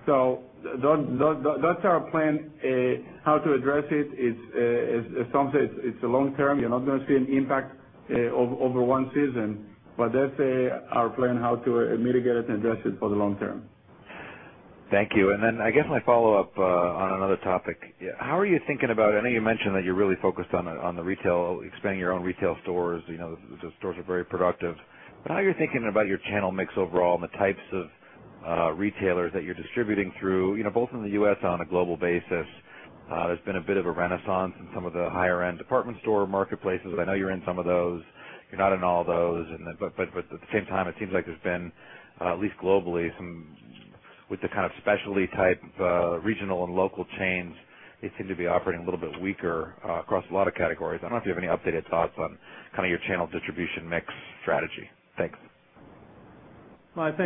That's our plan, how to address it. As Tom said, it's a long term. You're not going to see an impact over one season, but that's our plan, how to mitigate it and address it for the long term. Thank you. I guess my follow-up on another topic. How are you thinking about, I know you mentioned that you're really focused on the retail, expanding your own retail stores. The stores are very productive. How are you thinking about your channel mix overall and the types of retailers that you're distributing through, both in the U.S. and on a global basis? There's been a bit of a renaissance in some of the higher-end department store marketplaces. I know you're in some of those. You're not in all those. At the same time, it seems like there's been, at least globally, some with the kind of specialty type regional and local chains, they seem to be operating a little bit weaker across a lot of categories. I don't know if you have any updated thoughts on your channel distribution mix strategy. Thanks.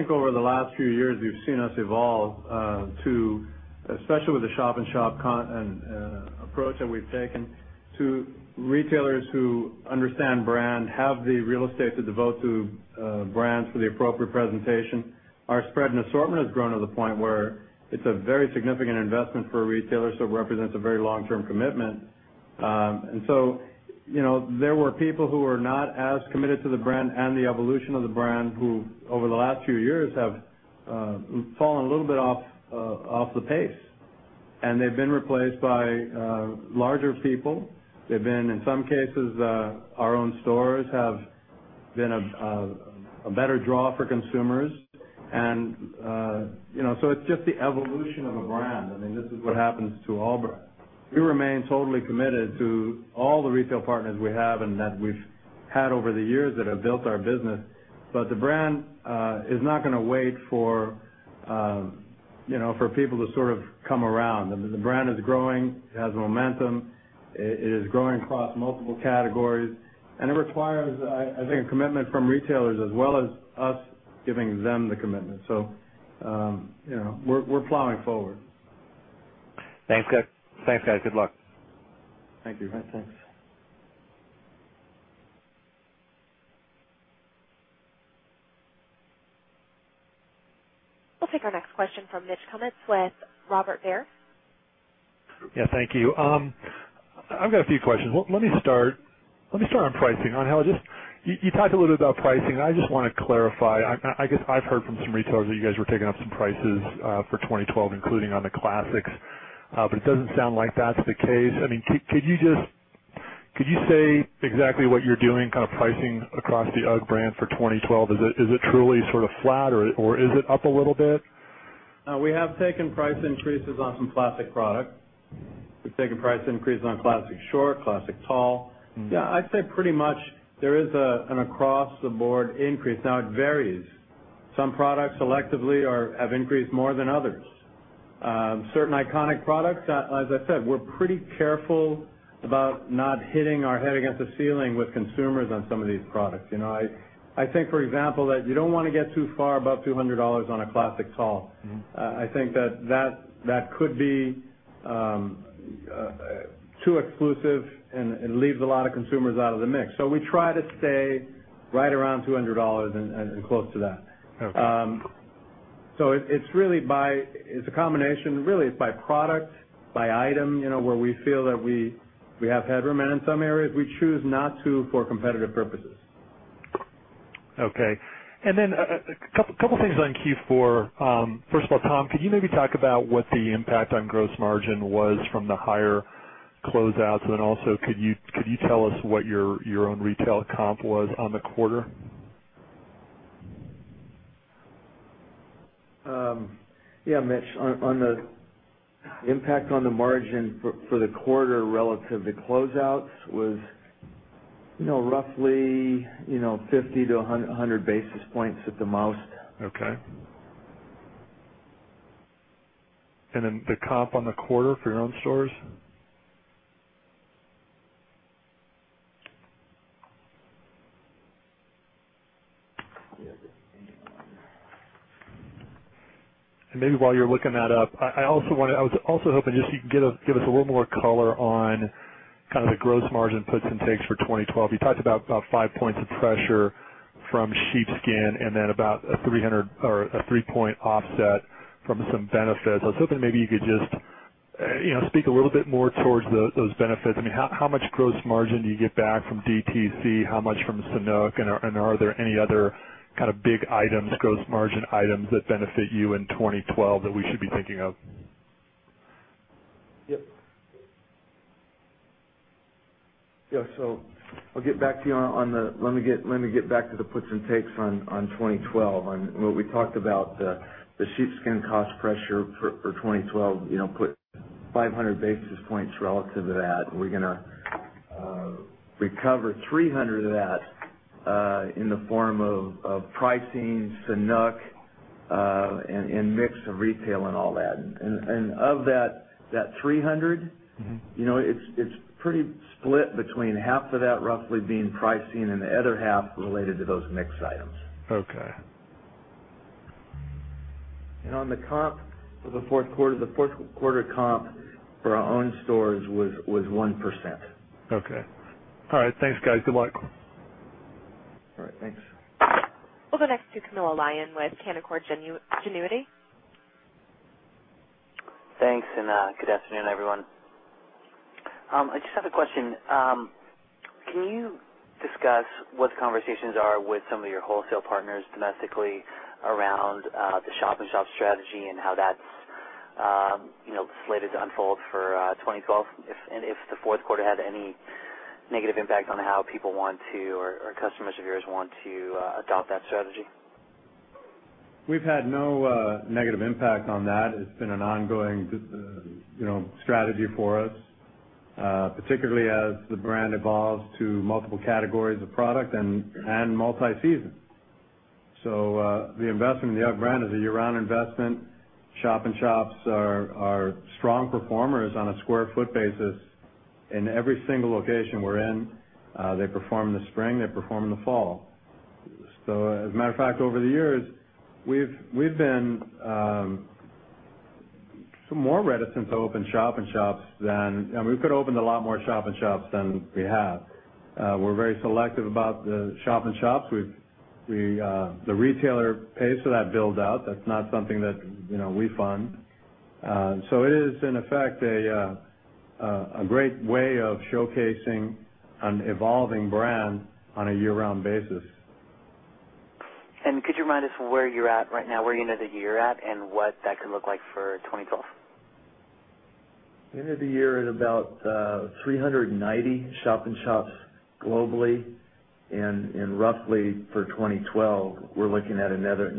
Over the last few years, we've seen us evolve to, especially with the shop and shop approach that we've taken, to retailers who understand brand, have the real estate to devote to brands for the appropriate presentation, our spread and assortment has grown to the point where it's a very significant investment for retailers. It represents a very long-term commitment. There were people who were not as committed to the brand and the evolution of the brand who, over the last few years, have fallen a little bit off the pace. They've been replaced by larger people. In some cases, our own stores have been a better draw for consumers. It's just the evolution of a brand. This is what happens to all. We remain totally committed to all the retail partners we have and that we've had over the years that have built our business. The brand is not going to wait for people to sort of come around. The brand is growing. It has momentum. It is growing across multiple categories. It requires, I think, a commitment from retailers as well as us giving them the commitment. We're plowing forward. Thanks, guys. Good luck. Thank you. Thanks. We'll take our next question from Mitch Kummetz with Baird. Thank you. I've got a few questions. Let me start on pricing. You talked a little bit about pricing. I just want to clarify. I guess I've heard from some retailers that you guys were taking up some prices for 2012, including on the classics. It doesn't sound like that's the case. Could you say exactly what you're doing, kind of pricing across the UGG brand for 2012? Is it truly sort of flat, or is it up a little bit? We have taken price increases off in classic product. We've taken price increases on Classic Short, Classic Tall. I'd say pretty much there is an across-the-board increase. It varies. Some products selectively have increased more than others. Certain iconic products that, as I said, we're pretty careful about not hitting our head against the ceiling with consumers on some of these products. For example, you don't want to get too far above $200 on a Classic Tall. I think that could be too exclusive and leaves a lot of consumers out of the mix. We try to stay right around $200 and close to that. It's really a combination, by product, by item, where we feel that we have headroom. In some areas, we choose not to for competitive purposes. Okay. A couple of things on Q4. First of all, Tom, could you maybe talk about what the impact on gross margin was from the higher closeouts? Also, could you tell us what your own retail comp was on the quarter? Yeah, Mitch, on the impact on the margin for the quarter relative to closeouts was roughly 50-100 basis points at the most. Okay. The comp on the quarter for your own stores? While you're looking that up, I also want to, I was also hoping you could give us a little more color on the gross margin puts in place for 2012. You talked about about five points of pressure from sheepskin and then about a 300 or a three-point offset from some benefits. I was hoping you could just speak a little bit more towards those benefits. I mean, how much gross margin do you get back from DTC? How much from Sanuk? Are there any other big items, gross margin items that benefit you in 2012 that we should be thinking of? Yeah. I'll get back to you on the, let me get back to the puts and takes on 2012. What we talked about, the sheepskin cost pressure for 2012, put 500 basis points relative to that. We're going to recover 300 of that in the form of pricing, mix of retail and all that. Of that 300, it's pretty split between half of that roughly being pricing and the other half related to those mixed items. Okay. The comp for the fourth quarter, the fourth quarter comp for our own stores was 1%. Okay. All right. Thanks, guys. Good luck. All right, thanks. We'll go next to Camilo Lyon with Canaccord Genuity. Thanks, and good afternoon, everyone. I just have a question. Can you discuss what the conversations are with some of your wholesale partners domestically around the shop-in-shop strategy and how that's, you know, slated to unfold for 2012? If the fourth quarter had any negative impact on how people want to, or customers of yours want to adopt that strategy? We've had no negative impact on that. It's been an ongoing strategy for us, particularly as the brand evolves to multiple categories of product and multi-season. The investment in the UGG brand is a year-round investment. Shop and shops are strong performers on a square foot basis in every single location we're in. They perform in the spring. They perform in the fall. As a matter of fact, over the years, we've been more reticent to open shop and shops than, and we could have opened a lot more shop and shops than we have. We're very selective about the shop and shops. The retailer pays for that build-out. That's not something that we fund. It is, in effect, a great way of showcasing an evolving brand on a year-round basis. Could you remind us where you're at right now, where you know the year you're at, and what that could look like for 2012? At the end of the year, at about 390 shop-in-shops globally, and roughly for 2012, we're looking at another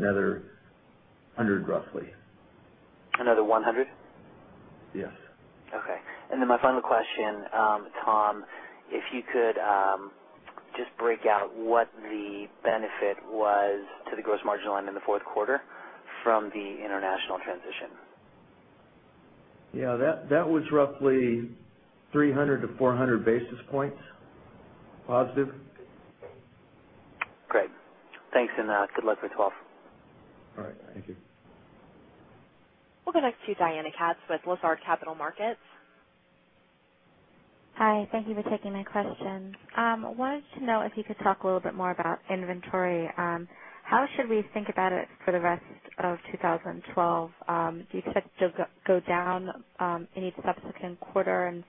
100, roughly. Another 100? Yes. Okay. My final question, Tom, if you could just break out what the benefit was to the gross margin line in the fourth quarter from the international transition. Yeah, that was roughly 300-400 basis points positive. Great. Thanks, and good luck with 12. All right, thank you. will go next to Diana Katz with Lazard Capital Markets. Hi. Thank you for taking my question. I wanted to know if you could talk a little bit more about inventory. How should we think about it for the rest of 2012? Do you expect it to go down in each subsequent quarter and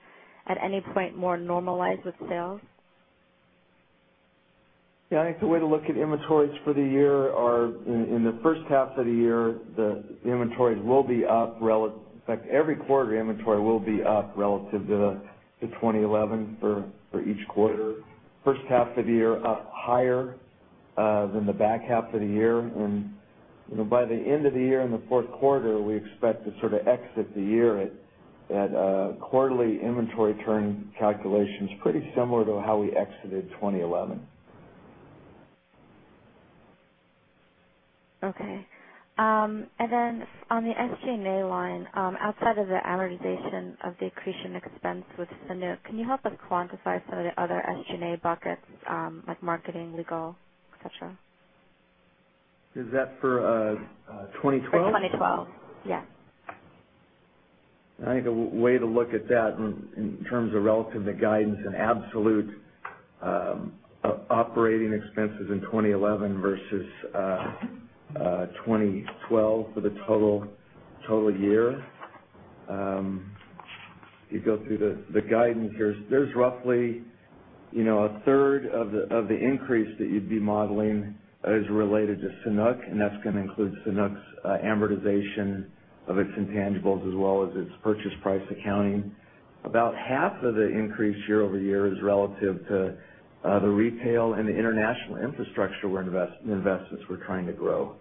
at any point more normalize with sales? Yeah, I think the way to look at inventories for the year are, in the first half of the year, the inventory will be up. In fact, every quarter inventory will be up relative to 2011 for each quarter. The first half of the year up higher than the back half of the year. By the end of the year in the fourth quarter, we expect to sort of exit the year at quarterly inventory turn calculations, pretty similar to how we exited 2011. Okay. On the SG&A line, outside of the amortization of the accretion expense with Sanuk, can you help us quantify some of the other SG&A buckets, like marketing, legal, etc.? Is that for 2012? 2012, yes. I think a way to look at that in terms of relative to guidance and absolute operating expenses in 2011 versus 2012 for the total year. You go through the guidance. There's roughly, you know, a third of the increase that you'd be modeling is related to Sanuk, and that's going to include Sanuk's amortization of its intangibles as well as its purchase price accounting. About half of the increase year over year is relative to the retail and the international infrastructure where investments were trying to grow.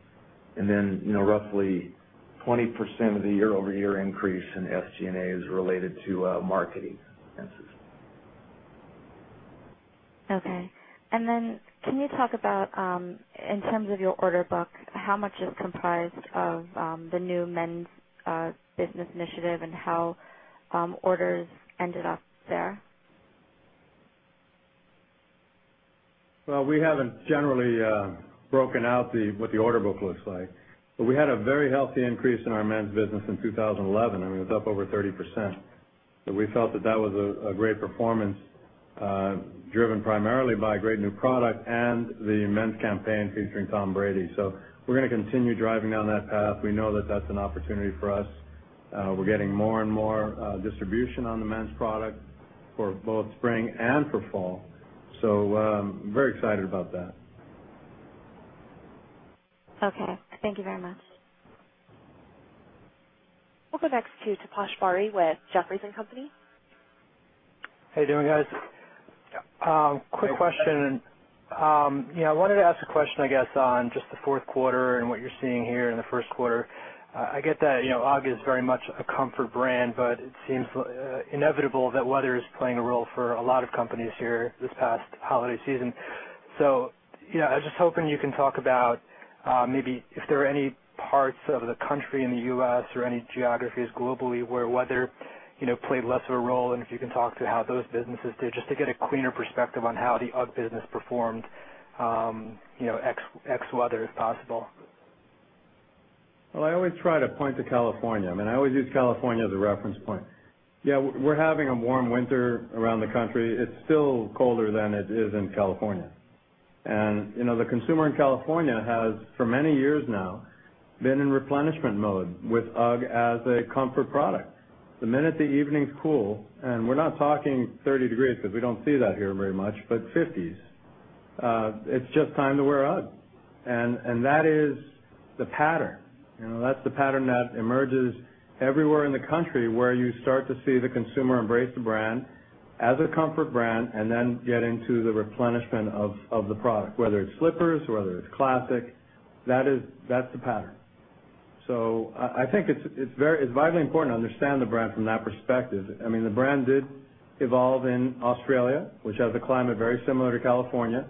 Then, you know, roughly 20% of the year-over-year increase in SG&A is related to marketing expenses. Okay. Can you talk about, in terms of your order book, how much is comprised of the new men's business initiative and how orders ended up there? We haven't generally broken out what the order book looks like, but we had a very healthy increase in our men's business in 2011. I mean, it was up over 30%. We felt that that was a great performance driven primarily by a great new product and the men's campaign featuring Tom Brady. We're going to continue driving down that path. We know that that's an opportunity for us. We're getting more and more distribution on the men's product for both spring and for fall. I'm very excited about that. Okay, thank you very much. We'll go next to Taposh Bari with Jefferies and Company. How you doing, guys? Quick question. I wanted to ask a question, I guess, on just the fourth quarter and what you're seeing here in the first quarter. I get that, you know, UGG is very much a comfort brand, but it seems inevitable that weather is playing a role for a lot of companies here this past holiday season. I was just hoping you can talk about maybe if there are any parts of the country in the U.S. or any geographies globally where weather played less of a role and if you can talk to how those businesses did just to get a cleaner perspective on how the UGG business performed, you know, ex-weather if possible. I always try to point to California. I mean, I always use California as a reference point. Yeah, we're having a warm winter around the country. It's still colder than it is in California. You know, the consumer in California has for many years now been in replenishment mode with UGG as a comfort product. The minute the evening's cool, and we're not talking 30 degrees because we don't see that here very much, but 50s, it's just time to wear UGG. That is the pattern. You know, that's the pattern that emerges everywhere in the country where you start to see the consumer embrace the brand as a comfort brand and then get into the replenishment of the product, whether it's slippers, whether it's classic. That is, that's the pattern. I think it's vitally important to understand the brand from that perspective. I mean, the brand did evolve in Australia, which has a climate very similar to California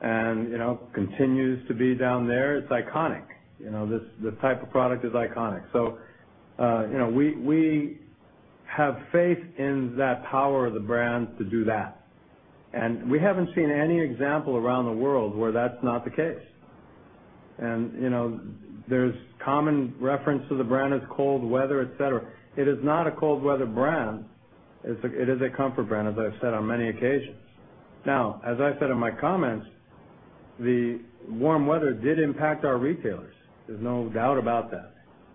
and, you know, continues to be down there. It's iconic. You know, the type of product is iconic. We have faith in that power of the brand to do that. We haven't seen any example around the world where that's not the case. You know, there's common reference to the brand as cold weather, etc. It is not a cold weather brand. It is a comfort brand, as I've said on many occasions. As I said in my comments, the warm weather did impact our retailers. There's no doubt about that.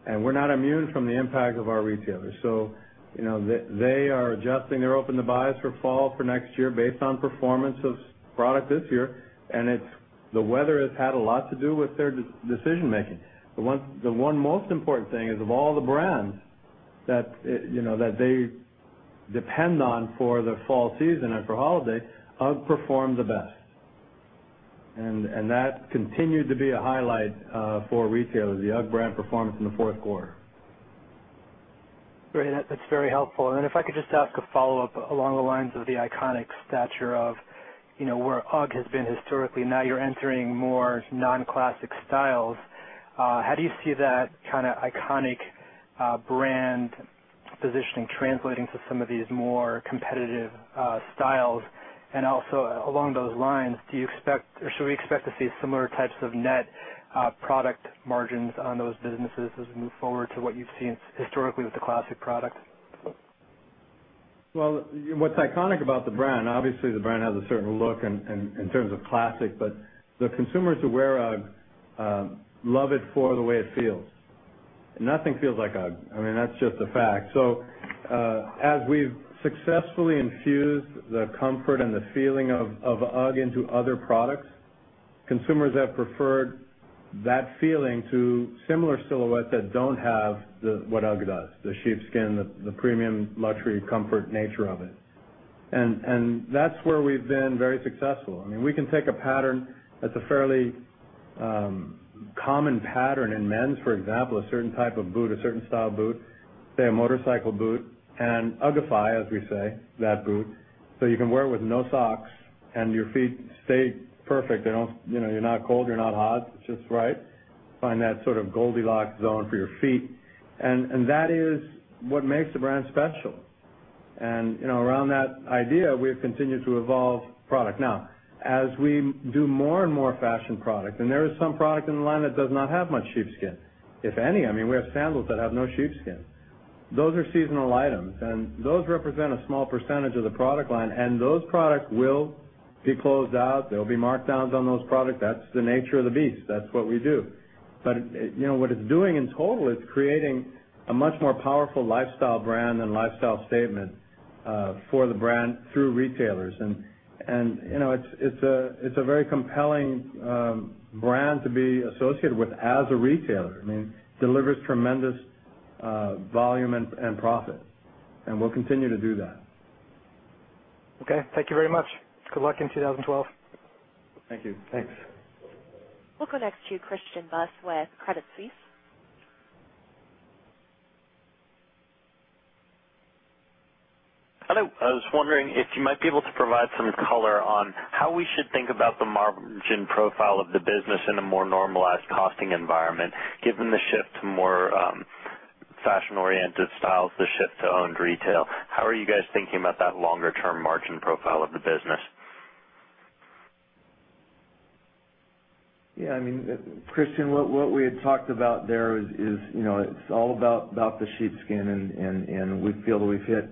We're not immune from the impact of our retailers. They are adjusting. They're open to buyers for fall for next year based on performance of product this year. The weather has had a lot to do with their decision-making. The one most important thing is of all the brands that they depend on for the fall season after holiday, UGG performed the best. That continued to be a highlight for retailers, the UGG brand performance in the fourth quarter. Great. That's very helpful. If I could just have a follow-up along the lines of the iconic stature of, you know, where UGG has been historically, now you're entering more non-classic styles. How do you see that kind of iconic brand positioning translating to some of these more competitive styles? Also, along those lines, do you expect or should we expect to see similar types of net product margins on those businesses as we move forward to what you've seen historically with the classic product? What's iconic about the brand, obviously, the brand has a certain look in terms of classic, but the consumers who wear UGG love it for the way it feels. Nothing feels like UGG. I mean, that's just a fact. As we've successfully infused the comfort and the feeling of UGG into other products, consumers have preferred that feeling to similar silhouettes that don't have what UGG does, the sheepskin, the premium luxury comfort nature of it. That's where we've been very successful. I mean, we can take a pattern that's a fairly common pattern in men's, for example, a certain type of boot, a certain style boot, say a motorcycle boot, and UGGify, as we say, that boot. You can wear it with no socks and your feet stay perfect. You're not cold, you're not hot, it's just right. Find that sort of Goldilocks zone for your feet. That is what makes the brand special. Around that idea, we've continued to evolve product. Now, as we do more and more fashion products, and there is some product in the line that does not have much sheepskin, if any, I mean, we have sandals that have no sheepskin. Those are seasonal items, and those represent a small percentage of the product line, and those products will be closed out. There will be markdowns on those products. That's the nature of the beast. That's what we do. What it's doing in total, it's creating a much more powerful lifestyle brand and lifestyle statement for the brand through retailers. It's a very compelling brand to be associated with as a retailer. I mean, it delivers tremendous volume and profit. We'll continue to do that. Okay, thank you very much. Good luck in 2012. Thank you. Thanks. We'll go next to Christian Buss with Credit Suisse. Hello, I was wondering if you might be able to provide some color on how we should think about the margin profile of the business in a more normalized costing environment, given the shift to more fashion-oriented styles, the shift to owned retail. How are you guys thinking about that longer-term margin profile of the business? Yeah, I mean, Christian, what we had talked about there is, you know, it's all about the sheepskin, and we feel that we've hit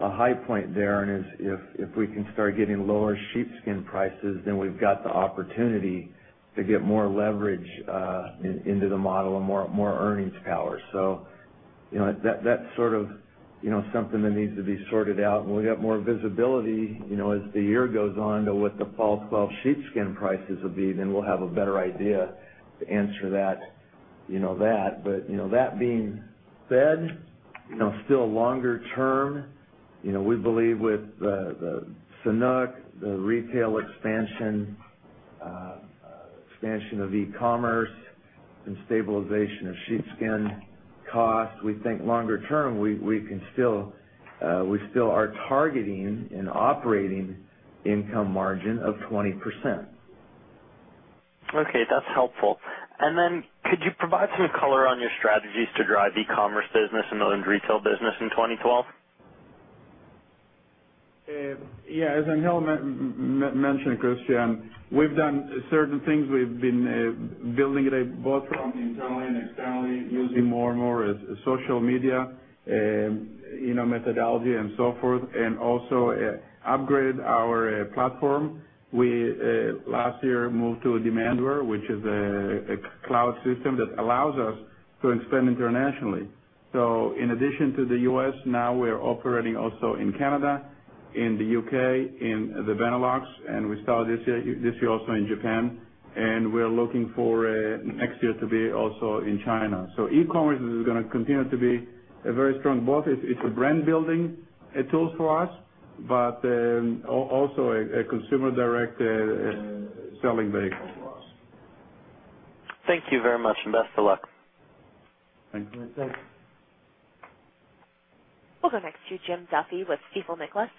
a high point there. If we can start getting lower sheepskin prices, then we've got the opportunity to get more leverage into the model and more earnings power. That's sort of something that needs to be sorted out. When we get more visibility as the year goes on to what the fall 2012 sheepskin prices will be, then we'll have a better idea to answer that. That being said, still longer term, we believe with the Sanuk, the retail expansion, expansion of e-commerce, and stabilization of sheepskin cost, we think longer term, we still are targeting an operating income margin of 20%. Okay. That's helpful. Could you provide some color on your strategies to drive e-commerce business and the owned retail business in 2012? Yeah, as Angel mentioned, Christian, we've done certain things. We've been building it both from internally and externally, using more and more social media methodology and so forth, and also upgraded our platform. Last year we moved to Demandware, which is a cloud system that allows us to expand internationally. In addition to the U.S., now we're operating also in Canada, in the U.K., in the Benelux, and we started this year also in Japan. We're looking for next year to be also in China. E-commerce is going to continue to be a very strong both. It's a brand-building tool for us, but also a consumer-directed selling base. Thank you very much, and best of luck. Thanks. Thanks. We'll go next to Jim Duffy with Stifel Nicolaus.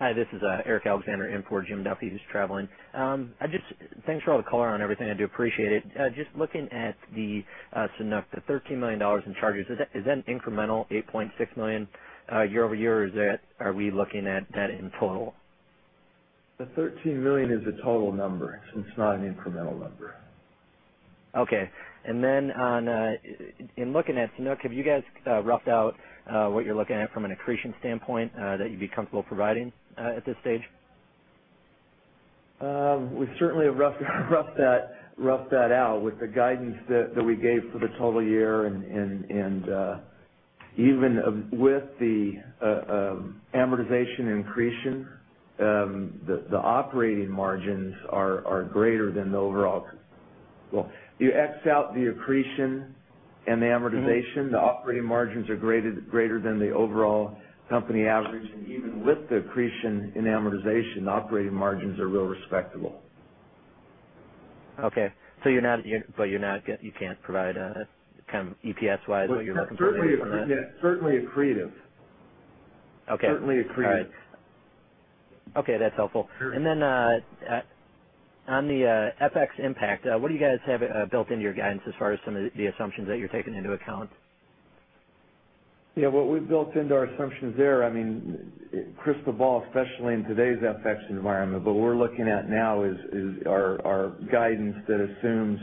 Hi, this is Eric Alexander in for Jim Duffy, who's traveling. Thanks for all the color on everything. I do appreciate it. Just looking at the Sanuk, the $13 million in charges, is that an incremental $8.6 million year-over-year, or are we looking at that inflow? The $13 million is a total number, so it's not an incremental number. Okay. In looking at Sanuk, have you guys roughed out what you're looking at from an accretion standpoint that you'd be comfortable providing at this stage? We've certainly roughed that out with the guidance that we gave for the total year, and even with the amortization and accretion, the operating margins are greater than the overall. You X out the accretion and the amortization, the operating margins are greater than the overall company average. Even with the accretion and amortization, the operating margins are real respectable. Okay. You're not, but you can't provide a kind of EPS-wise what you're looking for? Yeah, certainly accretive. Okay. Certainly accretive. Okay, that's helpful. On the FX impact, what do you guys have built into your guidance as far as some of the assumptions that you're taking into account? Yeah, what we've built into our assumptions there, I mean, crystal ball, especially in today's FX environment, what we're looking at now is our guidance that assumes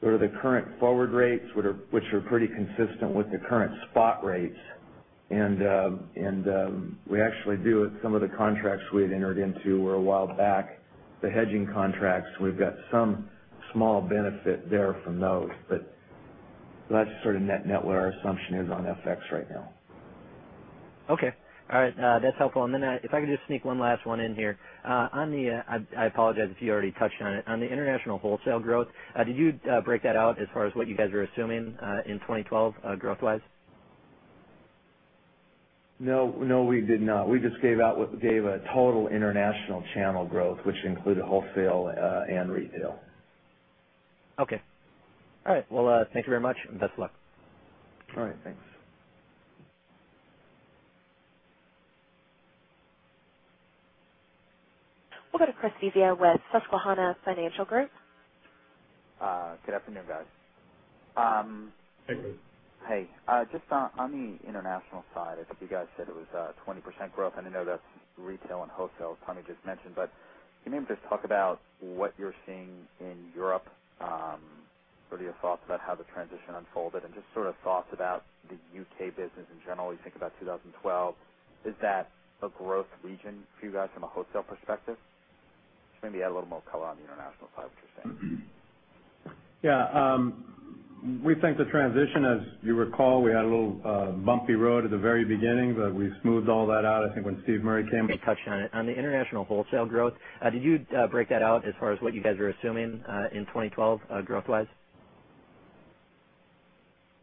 what are the current forward rates, which are pretty consistent with the current spot rates. We actually do it with some of the contracts we had entered into a while back, the hedging contracts. We've got some small benefit there from those. That's sort of net net where our assumption is on FX right now. Okay. All right. That's helpful. If I could just sneak one last one in here, on the international wholesale growth, did you break that out as far as what you guys were assuming in 2012 growth-wise? No, we did not. We just gave out what gave a total international channel growth, which included wholesale and retail. Okay. All right. Thank you very much, and best of luck. All right. Thanks. We'll go to Chris Svezia with Susquehanna Financial Group. Good afternoon, guys. Hey. Hey, just on the international side, I think you guys said it was 20% growth. I know that retail and wholesale Tony just mentioned, but can you maybe just talk about what you're seeing in Europe, what are your thoughts about how the transition unfolded, and just sort of thoughts about the U.K. business in general? You think about 2012, is that a growth region for you guys from a wholesale perspective? Just maybe add a little more color on the international side, what you're saying. Yeah. We think the transition, as you recall, we had a little bumpy road at the very beginning, but we smoothed all that out. I think when Steve Murray came. Touch on it. On the international wholesale growth, did you break that out as far as what you guys were assuming in 2012 growth-wise?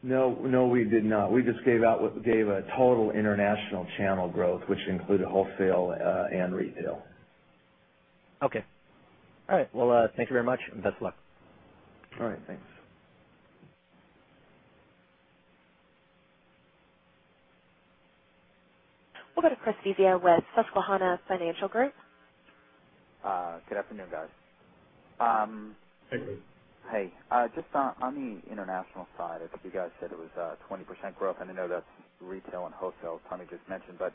No, we did not. We just gave out what gave a total international channel growth, which included wholesale and retail. Okay. All right. Thank you very much, and best of luck. All right. Thanks. We'll go to Chris Svezia with Susquehanna Financial Group. Good afternoon, guys. Hey. Hey, just on the international side, I think you guys said it was 20% growth. I know that retail and wholesale Tony just mentioned, but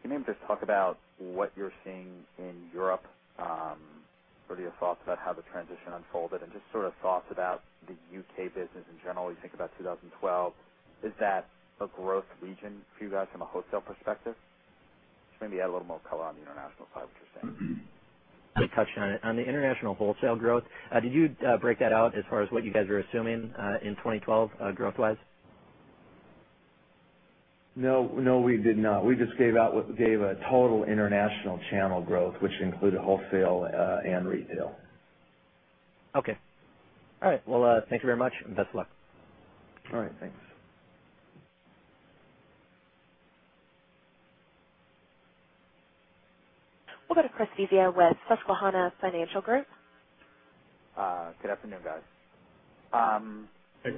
can you maybe just talk about what you're seeing in Europe, what are your thoughts about how the transition unfolded, and just sort of thoughts about the U.K. business in general? You think about 2012, is that a growth region for you guys from a wholesale perspective? Just maybe add a little more color on the international side, what you're saying. You touched on it. On the international wholesale growth, did you break that out as far as what you guys were assuming in 2012 growth-wise? No, we did not. We just gave out what gave a total international channel growth, which included wholesale and retail. Okay. All right. Thank you very much, and best of luck. All right, thanks. We'll go to Chris Svezia with Susquehanna Financial Group. Good afternoon, guys. Hey.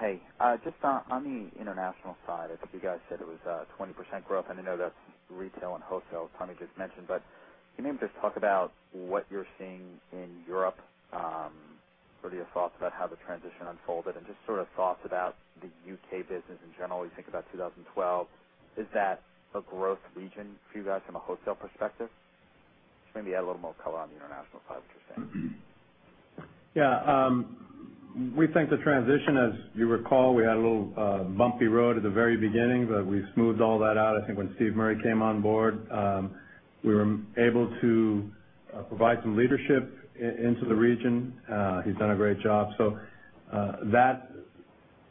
Hey, just on the international side, I think you guys said it was 20% growth. I know that retail and wholesale Tony just mentioned, but can you maybe just talk about what you're seeing in Europe, what are your thoughts about how the transition unfolded, and just sort of thoughts about the U.K. business in general? You think about 2012, is that a growth region for you guys from a wholesale perspective? Just maybe add a little more color on the international side, what you're saying. Yeah. We think the transition, as you recall, we had a little bumpy road at the very beginning, but we smoothed all that out. I think when Steve Murray came on board, we were able to provide some leadership into the region. He's done a great job. That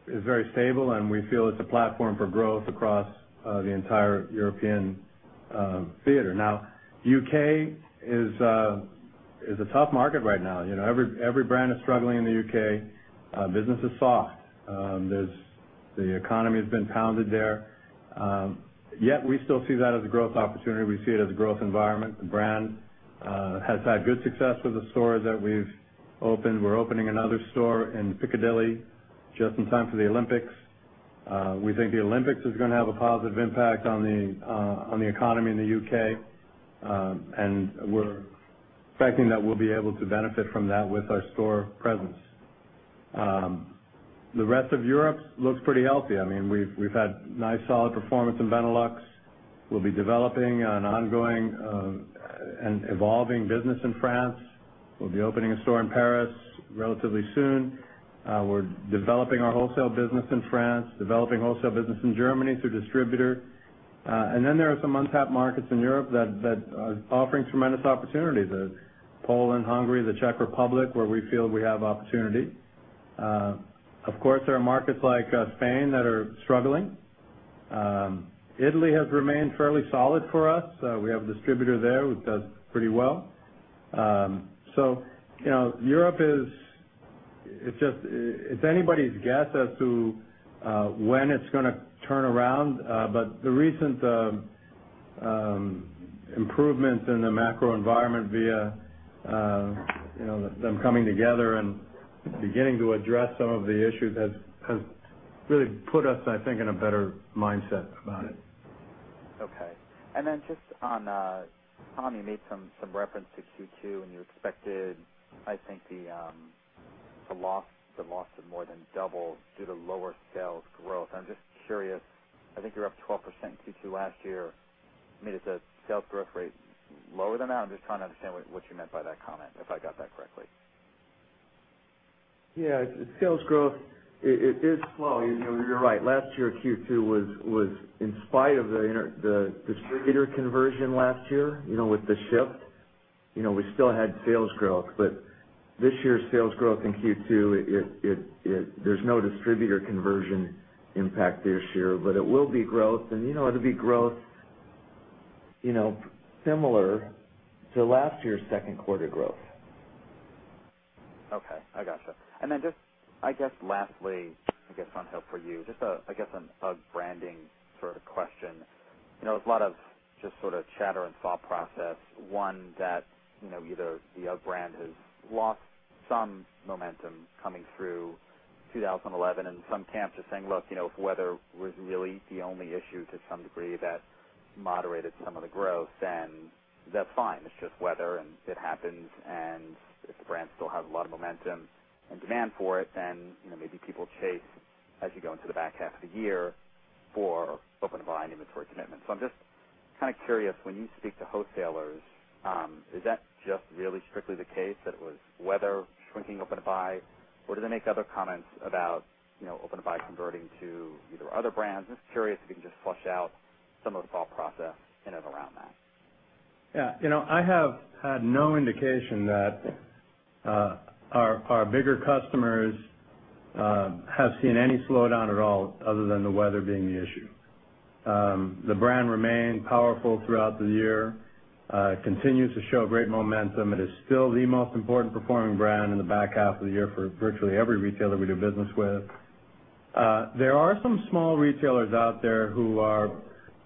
is very stable, and we feel it's a platform for growth across the entire European theater. Now, the U.K. is a tough market right now. You know, every brand is struggling in the U.K. Business is soft. There's the economy that's been pounded there. Yet we still see that as a growth opportunity. We see it as a growth environment. The brand has had good success with the stores that we've opened. We're opening another store in Piccadilly just in time for the Olympics. We think the Olympics is going to have a positive impact on the economy in the U.K. We're expecting that we'll be able to benefit from that with our store presence. The rest of Europe looks pretty healthy. We've had nice solid performance in Benelux. We'll be developing an ongoing and evolving business in France. We'll be opening a store in Paris relatively soon. We're developing our wholesale business in France, developing wholesale business in Germany through distributor. There are some untapped markets in Europe that are offering tremendous opportunities: Poland, Hungary, the Czech Republic, where we feel we have opportunity. Of course, there are markets like Spain that are struggling. Italy has remained fairly solid for us. We have a distributor there who does pretty well. Europe is just, it's anybody's guess as to when it's going to turn around. The recent improvements in the macro environment via, you know, them coming together and beginning to address some of the issues has really put us, I think, in a better mindset about it. Okay. Just on, Tom, you made some reference to Q2 and you expected, I think, the loss to more than double due to lower sales growth. I'm just curious, I think you're up 12% in Q2 last year. Is the sales growth rate lower than that? I'm just trying to understand what you meant by that comment, if I got that correctly. Yeah, sales growth, it is slow. You're right. Last year, Q2 was, in spite of the distributor conversion last year, with the shift, we still had sales growth. This year's sales growth in Q2, there's no distributor conversion impact this year, but it will be growth. It'll be growth similar to last year's second quarter growth. Okay, I gotcha. Lastly, on Hill for you, just an UGG branding sort of question. You know, there's a lot of just sort of chatter and thought process. One that, you know, either the UGG brand has lost some momentum coming through 2011 and some camps are saying, look, you know, if weather was really the only issue to some degree that moderated some of the growth, then that's fine. It's just weather and it happens. If brands still have a lot of momentum and demand for it, then, you know, maybe people chase as you go into the back half of the year for open to buy and inventory commitment. I'm just kind of curious, when you speak to wholesalers, is that just really strictly the case that it was weather shrinking open to buy? Do they make other comments about, you know, open to buy converting to either other brands? I'm just curious if you can just flush out some of the thought process in and around that. Yeah, you know, I have had no indication that our bigger customers have seen any slowdown at all other than the weather being the issue. The brand remained powerful throughout the year, continues to show great momentum. It is still the most important performing brand in the back half of the year for virtually every retailer we do business with. There are some small retailers out there who are,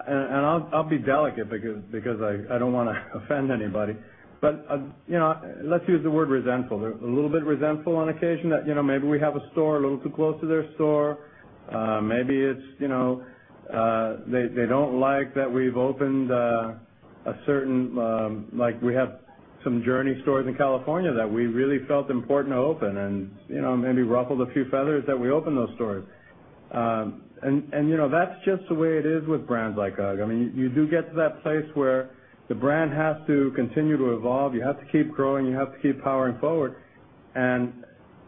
and I'll be delicate because I don't want to offend anybody, but you know, let's use the word resentful. They're a little bit resentful on occasion that, you know, maybe we have a store a little too close to their store. Maybe it's, you know, they don't like that we've opened a certain, like we have some Journey stores in California that we really felt important to open, and maybe ruffled a few feathers that we opened those stores. That's just the way it is with brands like UGG. I mean, you do get to that place where the brand has to continue to evolve. You have to keep growing. You have to keep powering forward.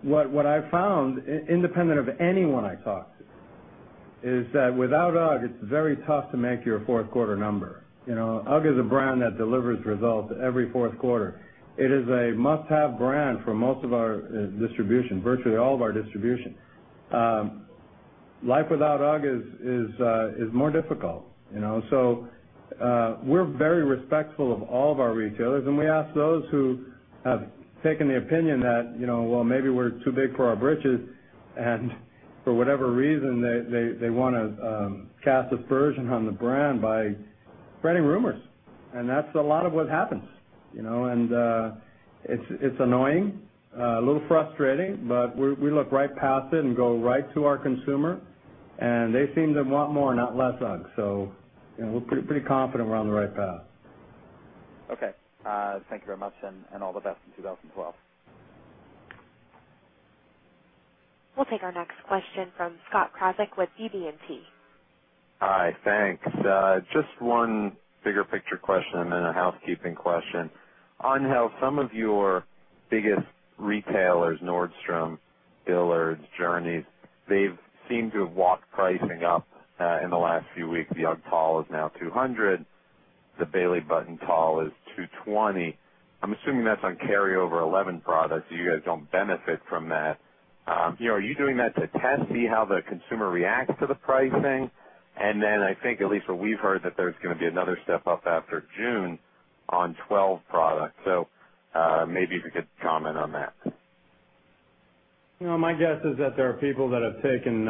What I found, independent of anyone I talked to, is that without UGG, it's very tough to make your fourth quarter number. UGG is a brand that delivers results every fourth quarter. It is a must-have brand for most of our distribution, virtually all of our distribution. Life without UGG is more difficult, you know. We are very respectful of all of our retailers and we ask those who have taken the opinion that, you know, maybe we're too big for our britches and for whatever reason, they want to cast a surge on the brand by spreading rumors. That's a lot of what happens, and it's annoying, a little frustrating, but we look right past it and go right to our consumer and they seem to want more, not less UGG. We're pretty confident we're on the right path. Okay, thank you very much and all the best in 2012. We'll take our next question from Scott Krasik with Baird. Hi, thanks. Just one bigger picture question and then a housekeeping question. On health, some of your biggest retailers, Nordstrom, Dillard's, Journeys, they've seemed to have walked pricing up in the last few weeks. The UGG Tall is now $200. The Bailey Button Tall is $220. I'm assuming that's on carryover 11 products. You guys don't benefit from that. Are you doing that to test, see how the consumer reacts to the pricing? I think at least what we've heard that there's going to be another step up after June on 12 products. Maybe if you could comment on that. You know, my guess is that there are people that have taken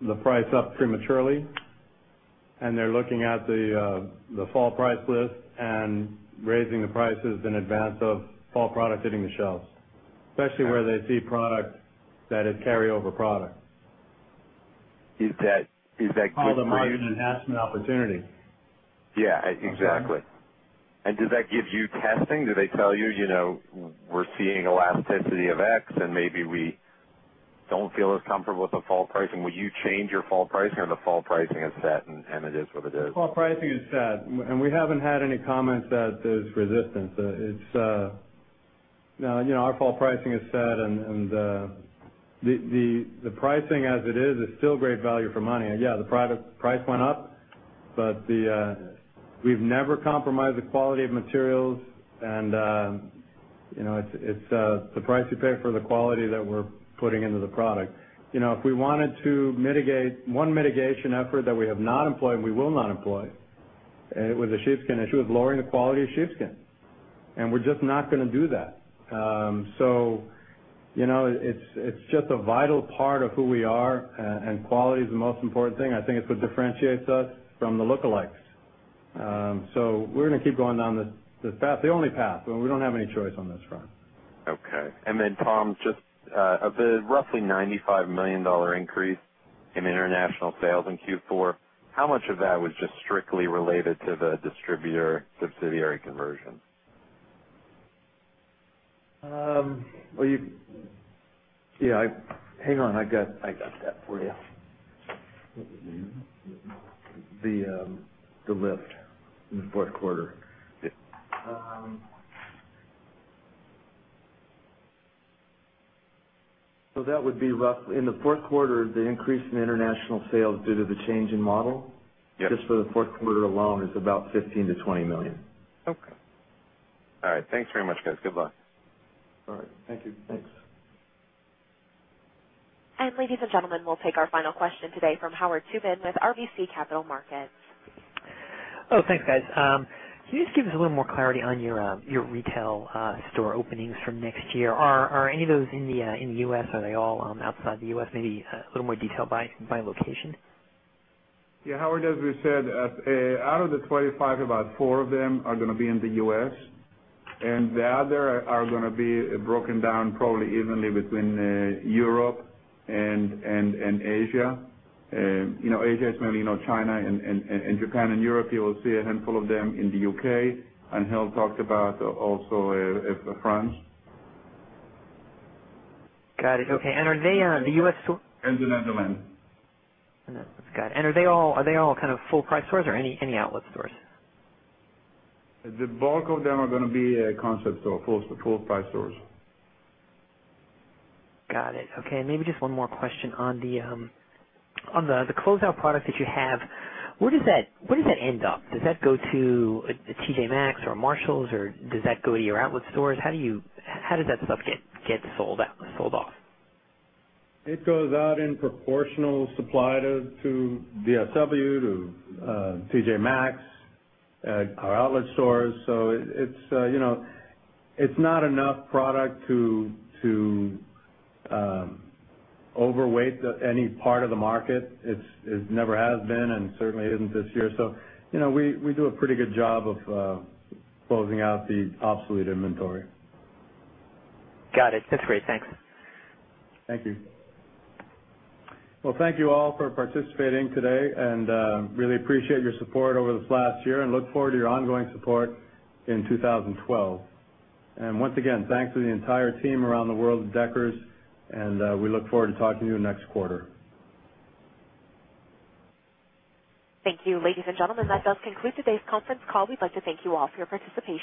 the price up prematurely, and they're looking at the fall price list and raising the prices in advance of fall product hitting the shelves, especially where they see product that is carryover product. Is that giving you? Called a margin enhancement opportunity. Yeah, exactly. Does that give you testing? Do they tell you, you know, we're seeing a lot of density of X and maybe we don't feel as comfortable with the fall pricing? Would you change your fall pricing, or the fall pricing is set and it is what it is? Fall pricing is set. We haven't had any comments that there's resistance. Our fall pricing is set and the pricing as it is is still great value for money. Yeah, the product price went up, but we've never compromised the quality of materials. It's the price you pay for the quality that we're putting into the product. If we wanted to mitigate, one mitigation effort that we have not employed and we will not employ, it was a sheepskin issue with lowering the quality of sheepskin. We're just not going to do that. It's just a vital part of who we are and quality is the most important thing. I think it's what differentiates us from the lookalikes. We're going to keep going down this path, the only path, and we don't have any choice on this front. Okay. Tom, just the roughly $95 million increase in international sales in Q4, how much of that was strictly related to the distributor subsidiary conversion? I got that for you. The lift in the fourth quarter, that would be roughly in the fourth quarter, the increase in international sales due to the change in model. Yep. Just for the fourth quarter alone, it's about $15-$20 million. Okay. All right. Thanks very much, guys. Good luck. All right. Thank you. Thanks. All right, ladies and gentlemen, we'll take our final question today from Howard Tubin with RBC Capital Markets. Oh, thanks, guys. Can you just give us a little more clarity on your retail store openings for next year? Are any of those in the U.S.? Are they all outside the U.S.? Maybe a little more detail by location? Yeah, Howard, as we said, out of the 25, about four of them are going to be in the U.S. The others are going to be broken down probably evenly between Europe and Asia. Asia is mainly China and Japan, and Europe. You will see a handful of them in the U.K., and he'll talk about also France. Got it. Okay. Are they the U.S. store? The Netherlands. Got it. Are they all kind of full-price stores or any outlet stores? The bulk of them are going to be a concept store, full-price stores. Got it. Okay. Maybe just one more question on the closeout products that you have. Where does that end up? Does that go to a TJ Maxx or a Marshall's, or does that go to your outlet stores? How do you, how does that stuff get sold out, sold off? It goes out in proportional supply to DSW, to TJ Maxx, our outlet stores. It's not enough product to overweight any part of the market. It never has been and certainly isn't this year. We do a pretty good job of closing out the obsolete inventory. Got it. That's great. Thanks. Thank you. Thank you all for participating today. I really appreciate your support over the last year and look forward to your ongoing support in 2012. Once again, thanks to the entire team around the world at Deckers, and we look forward to talking to you next quarter. Thank you, ladies and gentlemen. That does conclude today's conference call. We'd like to thank you all for your participation.